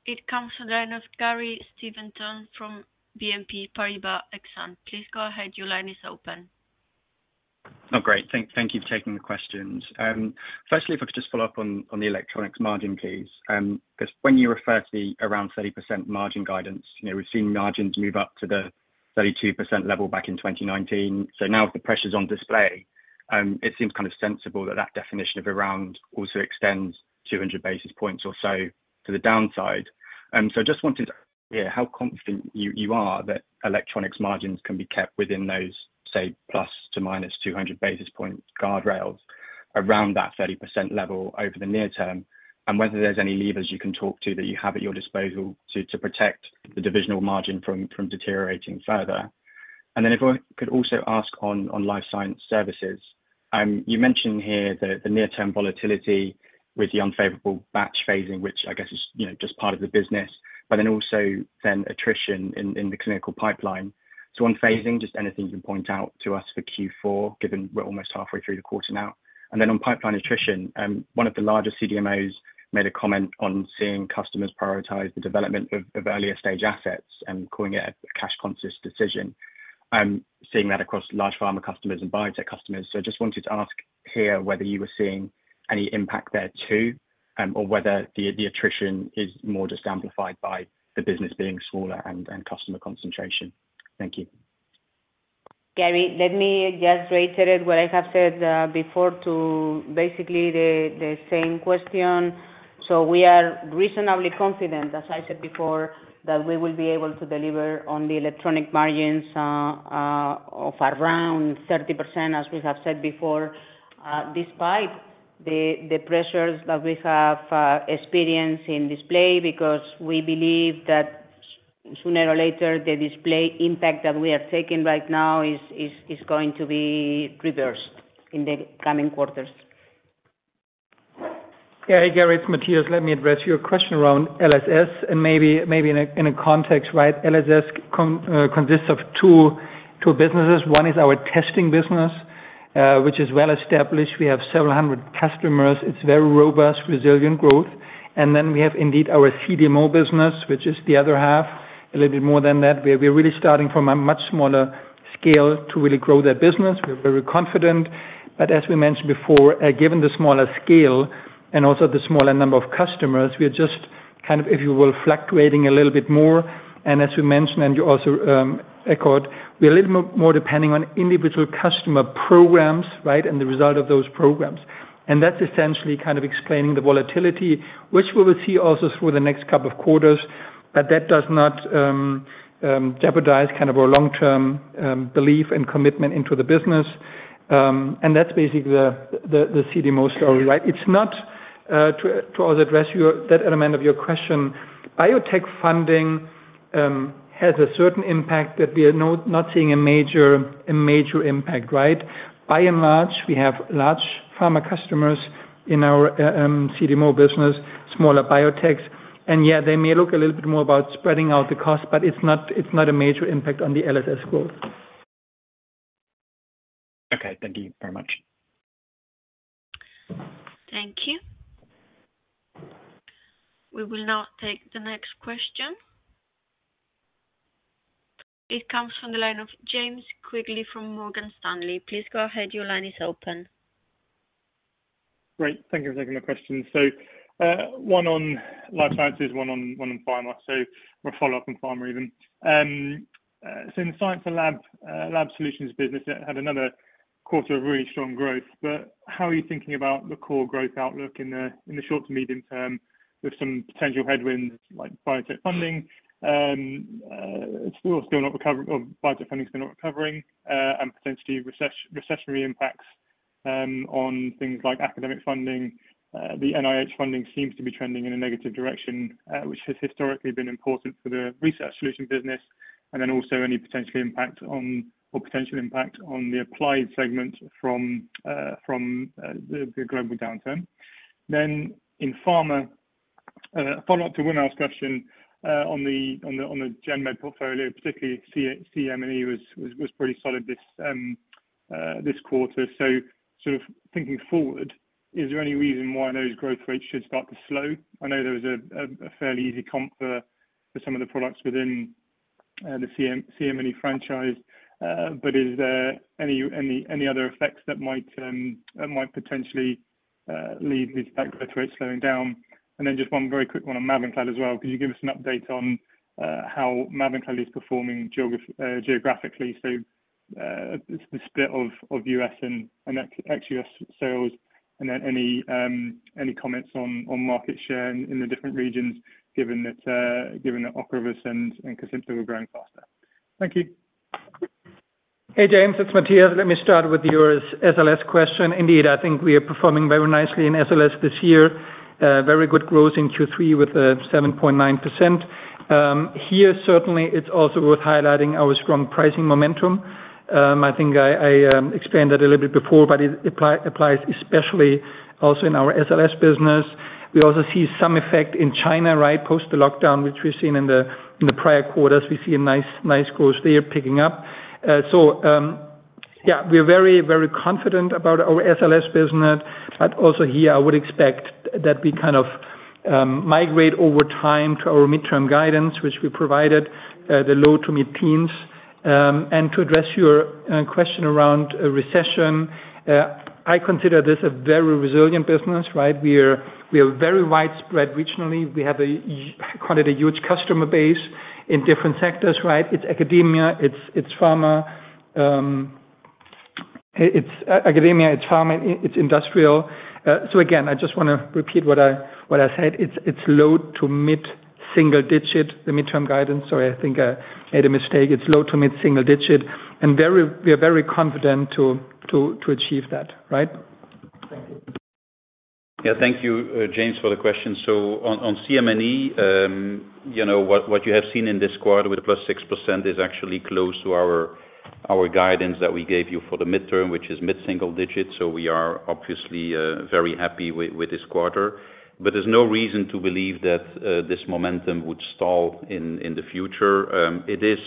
It comes again with Gary Stevenson from BNP Paribas Exane. Please go ahead. Your line is open. Oh, great. Thank you for taking the questions. Firstly, if I could just follow up on the electronics margin, please. 'Cause when you refer to the around 30% margin guidance, you know, we've seen margins move up to the 32% level back in 2019. Now if the pressure's on display, it seems kind of sensible that that definition of around also extends 200 basis points or so to the downside. Just wanting to hear how confident you are that electronics margins can be kept within those, say, + to -200 basis points guardrails around that 30% level over the near term, and whether there's any levers you can talk to that you have at your disposal to protect the divisional margin from deteriorating further. If I could also ask on Life Science Services. You mentioned here the near-term volatility with the unfavorable batch phasing, which I guess is, you know, just part of the business, but also attrition in the clinical pipeline. On phasing, just anything you can point out to us for Q4, given we're almost halfway through the quarter now. On pipeline attrition, one of the larger CDMOs made a comment on seeing customers prioritize the development of earlier stage assets and calling it a cash conscious decision, seeing that across large pharma customers and biotech customers. Just wanted to ask here whether you were seeing any impact there too, or whether the attrition is more just amplified by the business being smaller and customer concentration. Thank you. Gary, let me just reiterate what I have said before to basically the same question. We are reasonably confident, as I said before, that we will be able to deliver on the Electronics margins of around 30% as we have said before. Despite the pressures that we have experienced in Display because we believe that sooner or later, the Display impact that we are taking right now is going to be reversed in the coming quarters. Gary, it's Matthias. Let me address your question around LSS and maybe in a context, right? LSS consists of two businesses. One is our testing business, which is well established. We have several hundred customers. It's very robust, resilient growth. Then we have indeed our CDMO business, which is the other half, a little bit more than that. We're really starting from a much smaller scale to really grow their business. We're very confident. As we mentioned before, given the smaller scale and also the smaller number of customers, we are just kind of, if you will, fluctuating a little bit more. As you mentioned, and you also echoed, we're a little more depending on individual customer programs, right? The result of those programs. That's essentially kind of explaining the volatility, which we will see also through the next couple of quarters. That does not jeopardize kind of our long-term belief and commitment into the business. That's basically the CDMO story, right? It's not to also address that element of your question. Biotech funding has a certain impact that we are not seeing a major impact, right? By and large, we have large pharma customers in our CDMO business, smaller biotechs. Yeah, they may look a little bit more about spreading out the cost, but it's not a major impact on the LSS growth. Okay. Thank you very much. Thank you. We will now take the next question. It comes from the line of James Quigley from Morgan Stanley. Please go ahead. Your line is open. Great. Thank you for taking the question. One on life sciences, one on pharma. A follow-up on pharma even. In the Science & Lab Solutions business had another quarter of really strong growth. But how are you thinking about the core growth outlook in the short to medium term with some potential headwinds like biotech funding still not recovering, and potentially recessionary impacts on things like academic funding. The NIH funding seems to be trending in a negative direction, which has historically been important for the research solutions business, and then also any potential impact on the applied segment from the global downturn. In pharma, follow-up to one of our discussions on the Genmed portfolio, particularly CM&E was pretty solid this quarter. Sort of thinking forward, is there any reason why those growth rates should start to slow? I know there was a fairly easy comp for some of the products within the CM&E franchise. But is there any other effects that might potentially lead to these growth rates slowing down? Just one very quick one on Mavenclad as well. Could you give us an update on how Mavenclad is performing geographically? The split of U.S. and ex-U.S. sales and then any comments on market share in the different regions given that Ocrevus and KESIMPTA were growing faster? Thank you. Hey, James, it's Matthias. Let me start with your SLS question. Indeed, I think we are performing very nicely in SLS this year. Very good growth in Q3 with 7.9%. Here, certainly, it's also worth highlighting our strong pricing momentum. I think I explained that a little bit before, but it applies especially also in our SLS business. We also see some effect in China, right? Post the lockdown, which we've seen in the prior quarters. We see a nice growth there picking up. Yeah, we're very confident about our SLS business. But also here, I would expect that we kind of migrate over time to our midterm guidance, which we provided, the low- to mid-teens. To address your question around a recession, I consider this a very resilient business, right? We're very widespread regionally. We have quite a huge customer base in different sectors, right? It's academia, it's pharma, it's industrial. So again, I just wanna repeat what I said. It's low- to mid-single-digit, the mid-term guidance. Sorry, I think I made a mistake. It's low- to mid-single-digit and we are very confident to achieve that, right? Thank you. Yeah. Thank you, James for the question. On CM&E, you know what you have seen in this quarter with the +6% is actually close to our guidance that we gave you for the midterm, which is mid-single digits. We are obviously very happy with this quarter. There's no reason to believe that this momentum would stall in the future. It is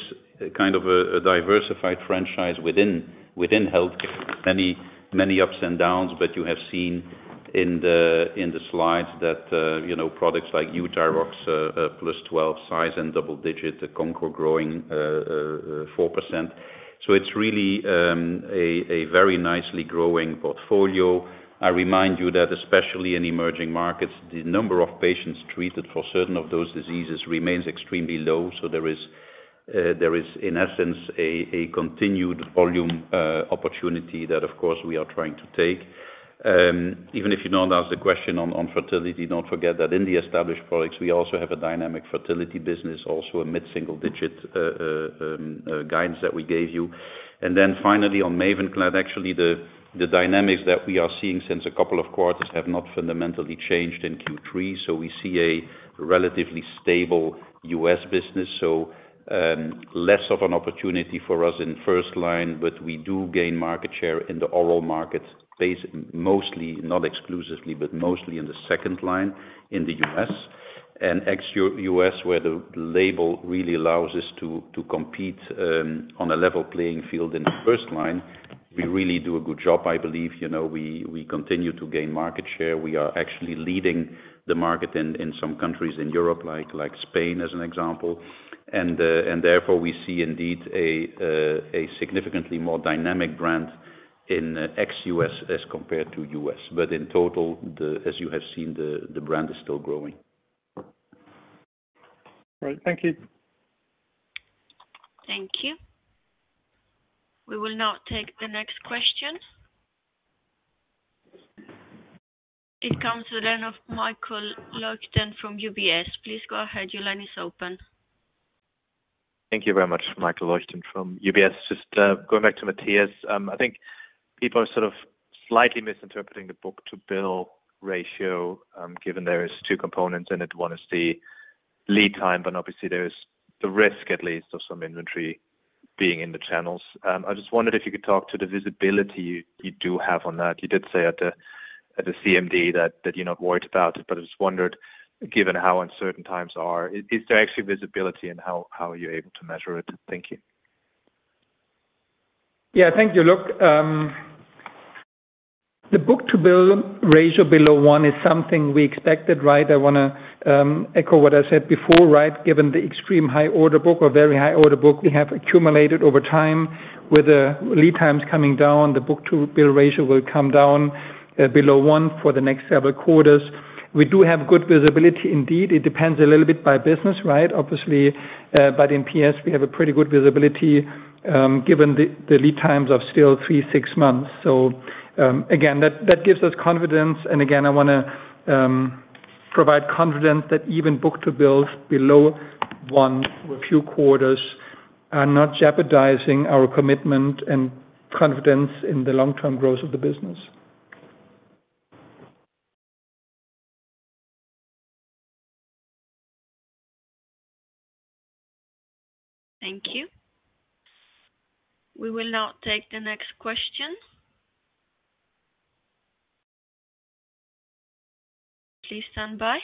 kind of a diversified franchise within healthcare. Many ups and downs, but you have seen in the slides that, you know, products like Euthyrox plus 12% size and double-digit, the Concor growing four percent. It's really a very nicely growing portfolio. I remind you that especially in emerging markets, the number of patients treated for certain of those diseases remains extremely low. There is, in essence, a continued volume opportunity that of course we are trying to take. Even if you don't ask the question on fertility, don't forget that in the established products, we also have a dynamic fertility business, also a mid-single-digit guidance that we gave you. Finally on MAVENCLAD, actually the dynamics that we are seeing since a couple of quarters have not fundamentally changed in Q3. We see a relatively stable U.S. business. Less of an opportunity for us in first line, but we do gain market share in the oral market base, mostly, not exclusively, but mostly in the second line in the U.S. and ex-U.S., where the label really allows us to compete on a level playing field. In the first line, we really do a good job, I believe. You know, we continue to gain market share. We are actually leading the market in some countries in Europe, like Spain as an example. Therefore we see indeed a significantly more dynamic brand in ex-U.S. as compared to U.S. But in total, as you have seen, the brand is still growing. Right. Thank you. Thank you. We will now take the next question. It comes from Michael Leuchten from UBS. Please go ahead. Your line is open. Thank you very much. Michael Leuchten from UBS. Just going back to Matthias. I think people are sort of slightly misinterpreting the book-to-bill ratio, given there are two components in it. One is the lead time, but obviously there is the risk at least of some inventory being in the channels. I just wondered if you could talk to the visibility you do have on that. You did say at the CMD that you're not worried about it, but I just wondered, given how uncertain times are, is there actually visibility and how are you able to measure it? Thank you. Yeah. Thank you. Look, the book-to-bill ratio below one is something we expected, right? I wanna echo what I said before, right? Given the extremely high order book or very high order book we have accumulated over time. With the lead times coming down, the book-to-bill ratio will come down below one for the next several quarters. We do have good visibility indeed. It depends a little bit by business, right? Obviously, but in PS we have a pretty good visibility, given the lead times of still three to six months. Again, that gives us confidence. Again, I wanna provide confidence that even book-to-bill below one for a few quarters are not jeopardizing our commitment and confidence in the long-term growth of the business. Thank you. We will now take the next question. Please stand by.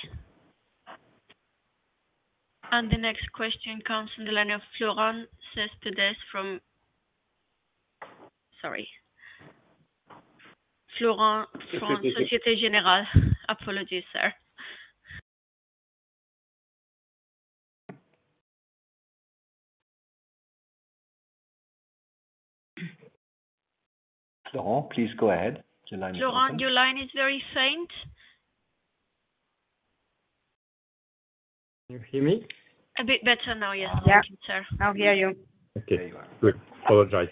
The next question comes from the line of Florent Cespedes. Sorry. Florent from Société Générale. Apologies, sir. Florent, please go ahead. Your line is open. Florent, your line is very faint. Can you hear me? A bit better now, yes. Thank you, sir. Yeah. Now we hear you. Okay, good. Apologies.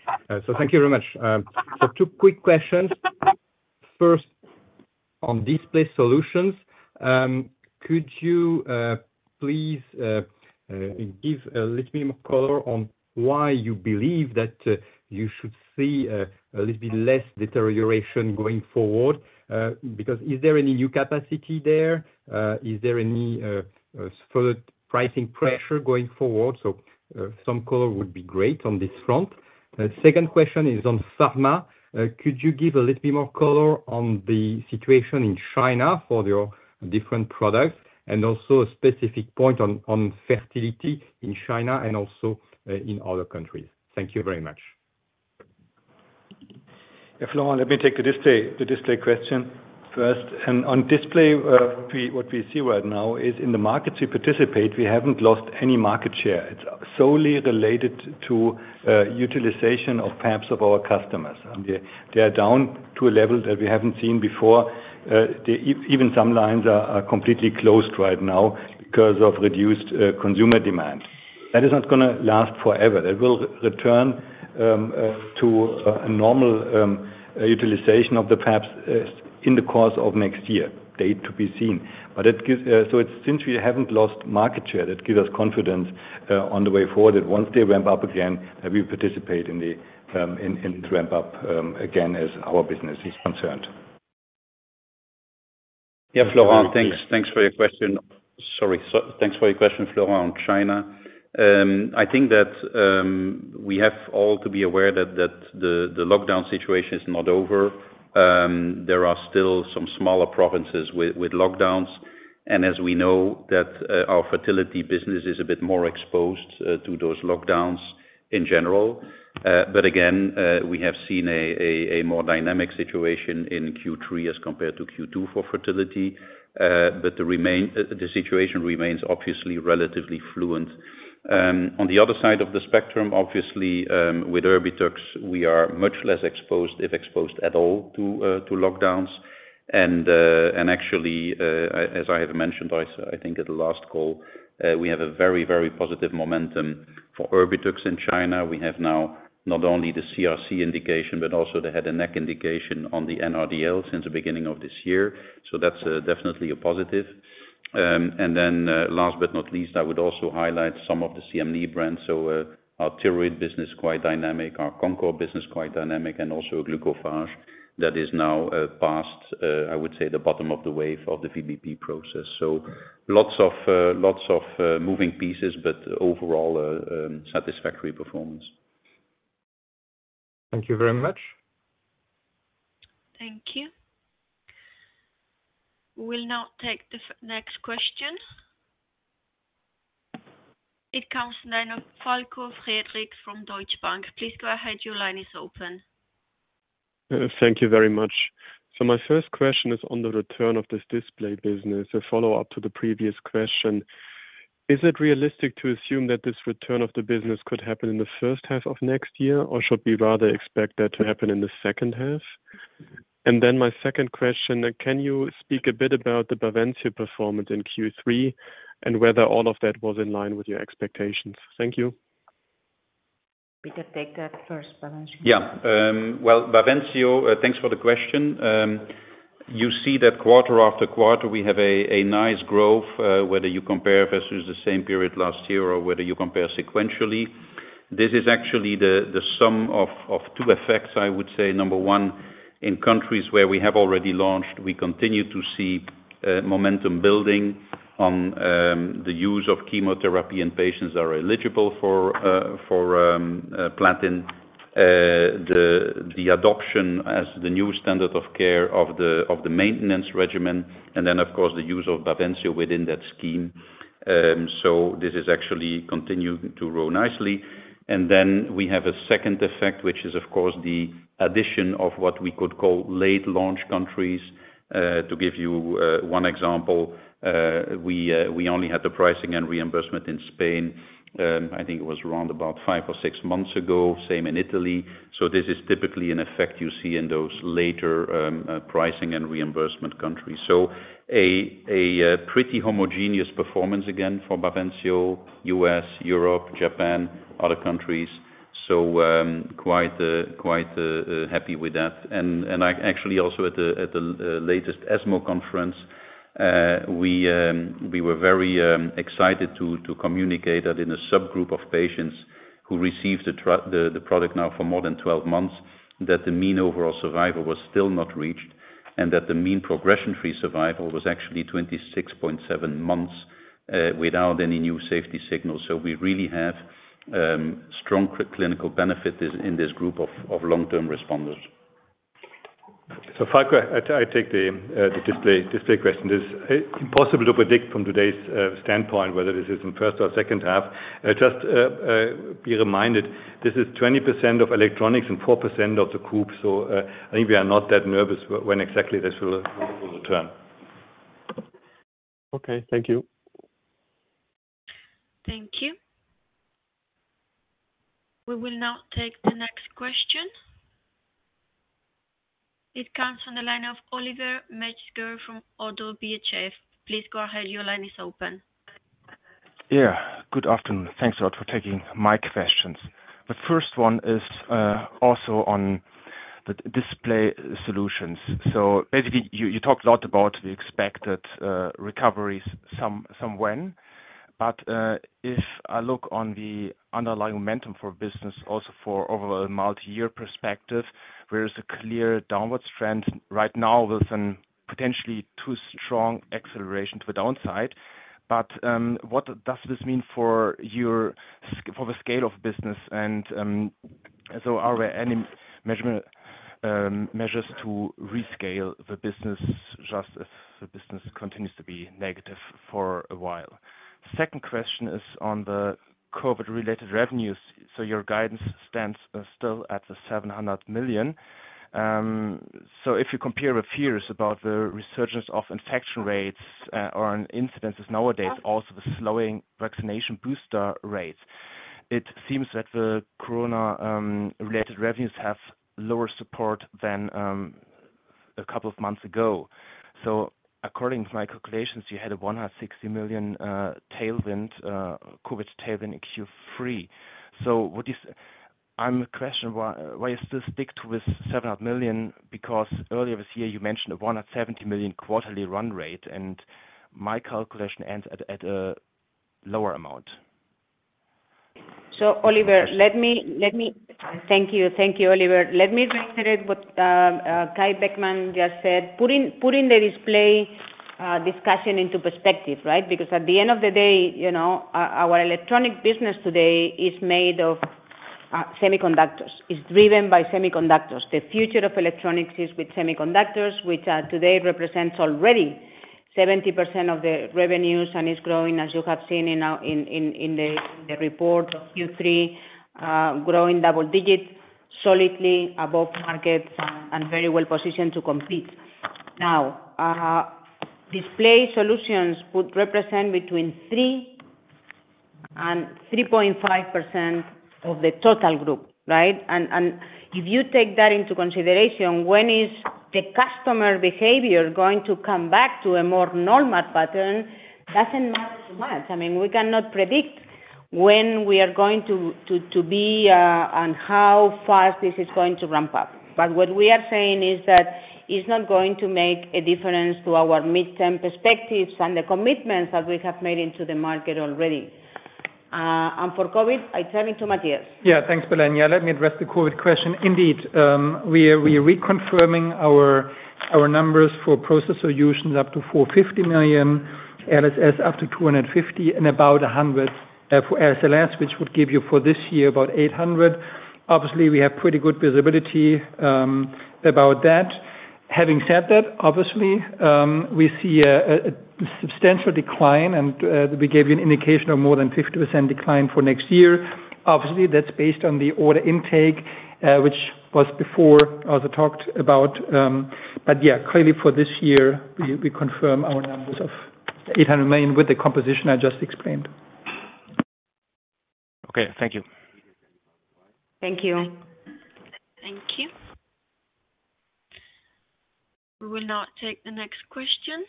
Thank you very much. Two quick questions. First, on Display Solutions, could you please give a little bit more color on why you believe that you should see a little bit less deterioration going forward? Because is there any new capacity there? Is there any further pricing pressure going forward? Some color would be great on this front. Second question is on pharma. Could you give a little bit more color on the situation in China for your different products and also a specific point on fertility in China and also in other countries? Thank you very much. Yeah, Florent, let me take the display question first. On display, what we see right now is in the markets we participate, we haven't lost any market share. It's solely related to utilization of fabs of our customers. They are down to a level that we haven't seen before. Even some lines are completely closed right now because of reduced consumer demand. That is not gonna last forever. That will return to a normal utilization of the fabs in the course of next year, date to be seen. It gives us confidence, since we haven't lost market share, that gives us confidence on the way forward, that once they ramp up again, that we participate in the ramp up again, as our business is concerned. Yeah, Florent. Thanks for your question, Florent, on China. I think that we all have to be aware that the lockdown situation is not over. There are still some smaller provinces with lockdowns, and as we know that our fertility business is a bit more exposed to those lockdowns. In general. But again, we have seen a more dynamic situation in Q3 as compared to Q2 for fertility. But the situation remains obviously relatively fluid. On the other side of the spectrum, obviously, with Erbitux we are much less exposed, if exposed at all, to lockdowns. Actually, as I have mentioned also I think at the last call, we have a very positive momentum for Erbitux in China. We have now not only the CRC indication, but also the head and neck indication on the NRDL since the beginning of this year. That's definitely a positive. Last but not least, I would also highlight some of the CM&E brands. Our thyroid business quite dynamic, our Concor business quite dynamic, and also Glucophage that is now past, I would say the bottom of the wave of the VBP process. Lots of moving pieces, but overall, satisfactory performance. Thank you very much. Thank you. We'll now take the next question. It comes then from Falko Friedrichs from Deutsche Bank. Please go ahead. Your line is open. Thank you very much. My first question is on the return of this display business, a follow-up to the previous question. Is it realistic to assume that this return of the business could happen in the first half of next year, or should we rather expect that to happen in the second half? My second question, can you speak a bit about the Bavencio performance in Q3 and whether all of that was in line with your expectations? Thank you. We can take that first, Peter. Yeah. Well, Bavencio, thanks for the question. You see that quarter after quarter we have a nice growth, whether you compare versus the same period last year or whether you compare sequentially. This is actually the sum of two effects, I would say. Number one, in countries where we have already launched, we continue to see momentum building on the use of chemotherapy in patients that are eligible for platinum. The adoption as the new standard of care of the maintenance regimen, and then of course, the use of Bavencio within that scheme. This is actually continuing to grow nicely. We have a second effect, which is of course the addition of what we could call late launch countries. To give you one example, we only had the pricing and reimbursement in Spain, I think it was around about five or six months ago, same in Italy. This is typically an effect you see in those later pricing and reimbursement countries. A pretty homogeneous performance again for Bavencio, U.S., Europe, Japan, other countries. Quite happy with that. I actually also at the latest ESMO conference, we were very excited to communicate that in a subgroup of patients who received the product now for more than 12 months, that the mean overall survival was still not reached, and that the mean progression-free survival was actually 26.7 months without any new safety signals. We really have strong clinical benefit in this group of long-term responders. Falko, I take the display question. It's impossible to predict from today's standpoint whether this is in first or second half. Just be reminded, this is 20% of electronics and 4% of the group. I think we are not that nervous when exactly this will return. Okay. Thank you. Thank you. We will now take the next question. It comes from the line of Oliver Metzger from Oddo BHF. Please go ahead. Your line is open. Yeah, good afternoon. Thanks a lot for taking my questions. The first one is also on the Display Solutions. Basically, you talked a lot about the expected recoveries some when. If I look on the underlying momentum for business, also for over a multiyear perspective, there is a clear downward trend right now with some potentially too strong acceleration to the downside. What does this mean for the scale of business? Are there any measures to rescale the business just as the business continues to be negative for a while? Second question is on the COVID-related revenues. Your guidance stands still at 700 million. If you compare with fears about the resurgence of infection rates, or incidences nowadays, also the slowing vaccination booster rates, it seems that the COVID-related revenues have lower support than a couple of months ago. According to my calculations, you had a 160 million tailwind, COVID tailwind in Q3. What I'm questioning is why you still stick with 700 million, because earlier this year you mentioned a 170 million quarterly run rate, and my calculation ends at a lower amount. Oliver, let me thank you. Thank you, Oliver. Let me reiterate what Kai Beckmann just said. Putting the Display Solutions discussion into perspective, right? Because at the end of the day, you know, our Electronics business today is made of semiconductors. It's driven by semiconductors. The future of electronics is with semiconductors, which today represents already 70% of the revenues and is growing, as you have seen in the report of Q3, growing double digits solidly above market and very well positioned to compete. Now, Display Solutions would represent between 3% and 3.5% of the total group, right? If you take that into consideration, when is the customer behavior going to come back to a more normal pattern? Doesn't matter too much. I mean, we cannot predict when we are going to be on how fast this is going to ramp up. What we are saying is that it's not going to make a difference to our midterm perspectives and the commitments that we have made to the market already. For COVID, I turn it to Matthias. Yeah. Thanks, Belén. Yeah, let me address the COVID question indeed. We are reconfirming our numbers for Process Solutions up to 450 million, LSS up to 250 million, and about 100 million for SLS, which would give you for this year, about 800 million. Obviously, we have pretty good visibility about that. Having said that, obviously, we see a substantial decline and we gave you an indication of more than 50% decline for next year. Obviously, that's based on the order intake, which was before also talked about. Yeah, clearly for this year, we confirm our numbers of 800 million with the composition I just explained. Okay, thank you. Thank you. Thank you. We will now take the next question.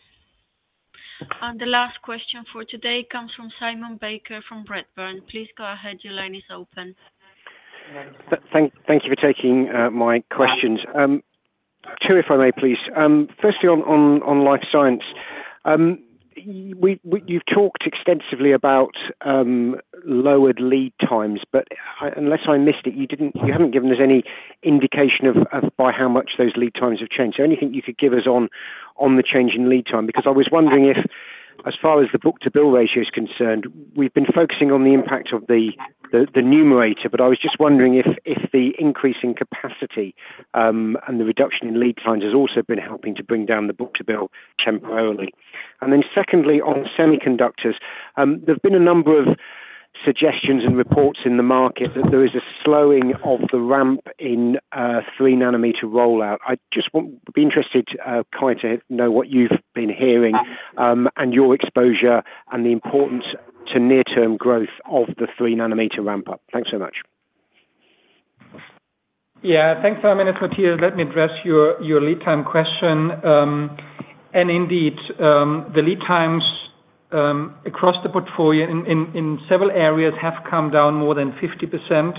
The last question for today comes from Simon Baker from Redburn. Please go ahead. Your line is open. Thank you for taking my questions. Two if I may please. First on Life Science. You've talked extensively about lowered lead times, but unless I missed it, you haven't given us any indication of by how much those lead times have changed. Anything you could give us on the change in lead time. Because I was wondering if as far as the book-to-bill ratio is concerned, we've been focusing on the impact of the numerator, but I was just wondering if the increase in capacity and the reduction in lead times has also been helping to bring down the book-to-bill temporarily. Secondly, on semiconductors, there've been a number of suggestions and reports in the market that there is a slowing of the ramp in 3 nm rollout. I'd be interested to know what you've been hearing and your exposure and the importance to near-term growth of the 3 nm ramp up. Thanks so much. Yeah. Thanks, Simon. It's Matthias. Let me address your lead time question. Indeed, the lead times across the portfolio in several areas have come down more than 50%.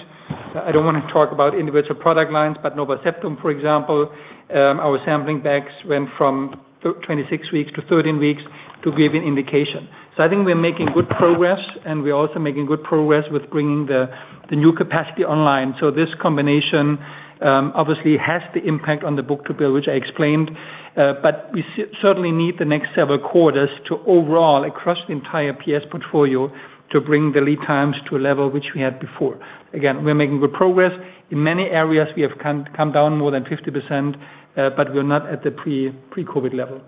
I don't wanna talk about individual product lines, but NovaSeptum, for example, our sampling bags went from 26 weeks to 13 weeks to give you an indication. I think we are making good progress, and we're also making good progress with bringing the new capacity online. This combination obviously has the impact on the book-to-bill, which I explained. But we certainly need the next several quarters to overall, across the entire PS portfolio, to bring the lead times to a level which we had before. Again, we are making good progress. In many areas, we have come down more than 50%, but we're not at the pre-COVID level.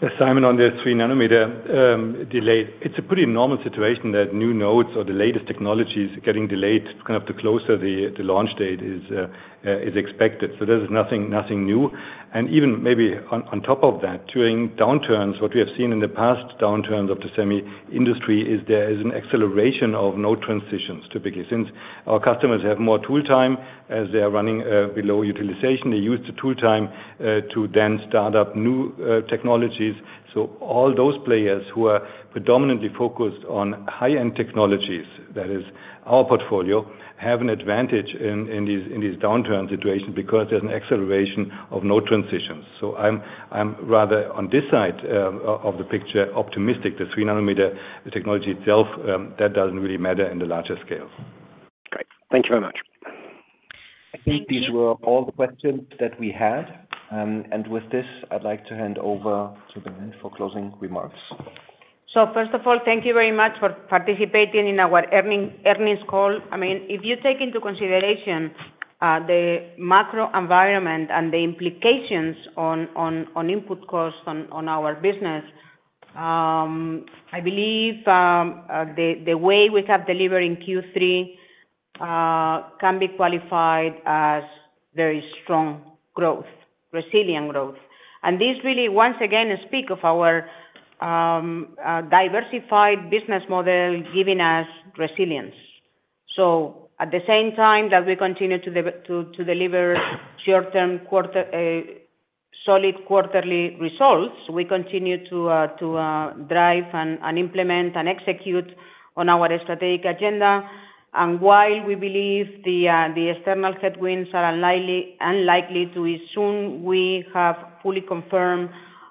Yeah, Simon, on the 3 nm delay. It's a pretty normal situation that new nodes or the latest technologies getting delayed, kind of, the closer the launch date is expected. There is nothing new. Even maybe on top of that, during downturns, what we have seen in the past downturns of the semi industry is there is an acceleration of node transitions typically. Since our customers have more tool time as they're running below utilization, they use the tool time to then start up new technologies. All those players who are predominantly focused on high-end technologies, that is our portfolio, have an advantage in these downturn situations because there's an acceleration of node transitions. I'm rather on this side of the picture optimistic. The 3 nm, the technology itself, that doesn't really matter in the larger scale. Great. Thank you very much. Thank you. I think these were all the questions that we had. With this, I'd like to hand over to Belén for closing remarks. First of all, thank you very much for participating in our earnings call. I mean, if you take into consideration the macro environment and the implications on input costs on our business, I believe the way we have delivered in Q3 can be qualified as very strong growth, resilient growth. This really, once again, speak of our diversified business model giving us resilience. At the same time that we continue to deliver short-term solid quarterly results, we continue to drive and implement and execute on our strategic agenda. While we believe the external headwinds are unlikely to soon, we have fully confirmed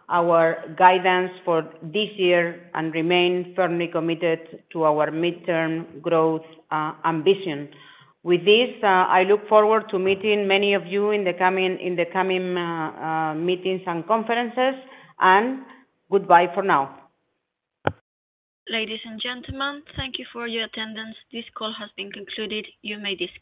our guidance for this year and remain firmly committed to our midterm growth ambition. With this, I look forward to meeting many of you in the coming meetings and conferences, and goodbye for now. Ladies and gentlemen, thank you for your attendance. This call has been concluded. You may disconnect.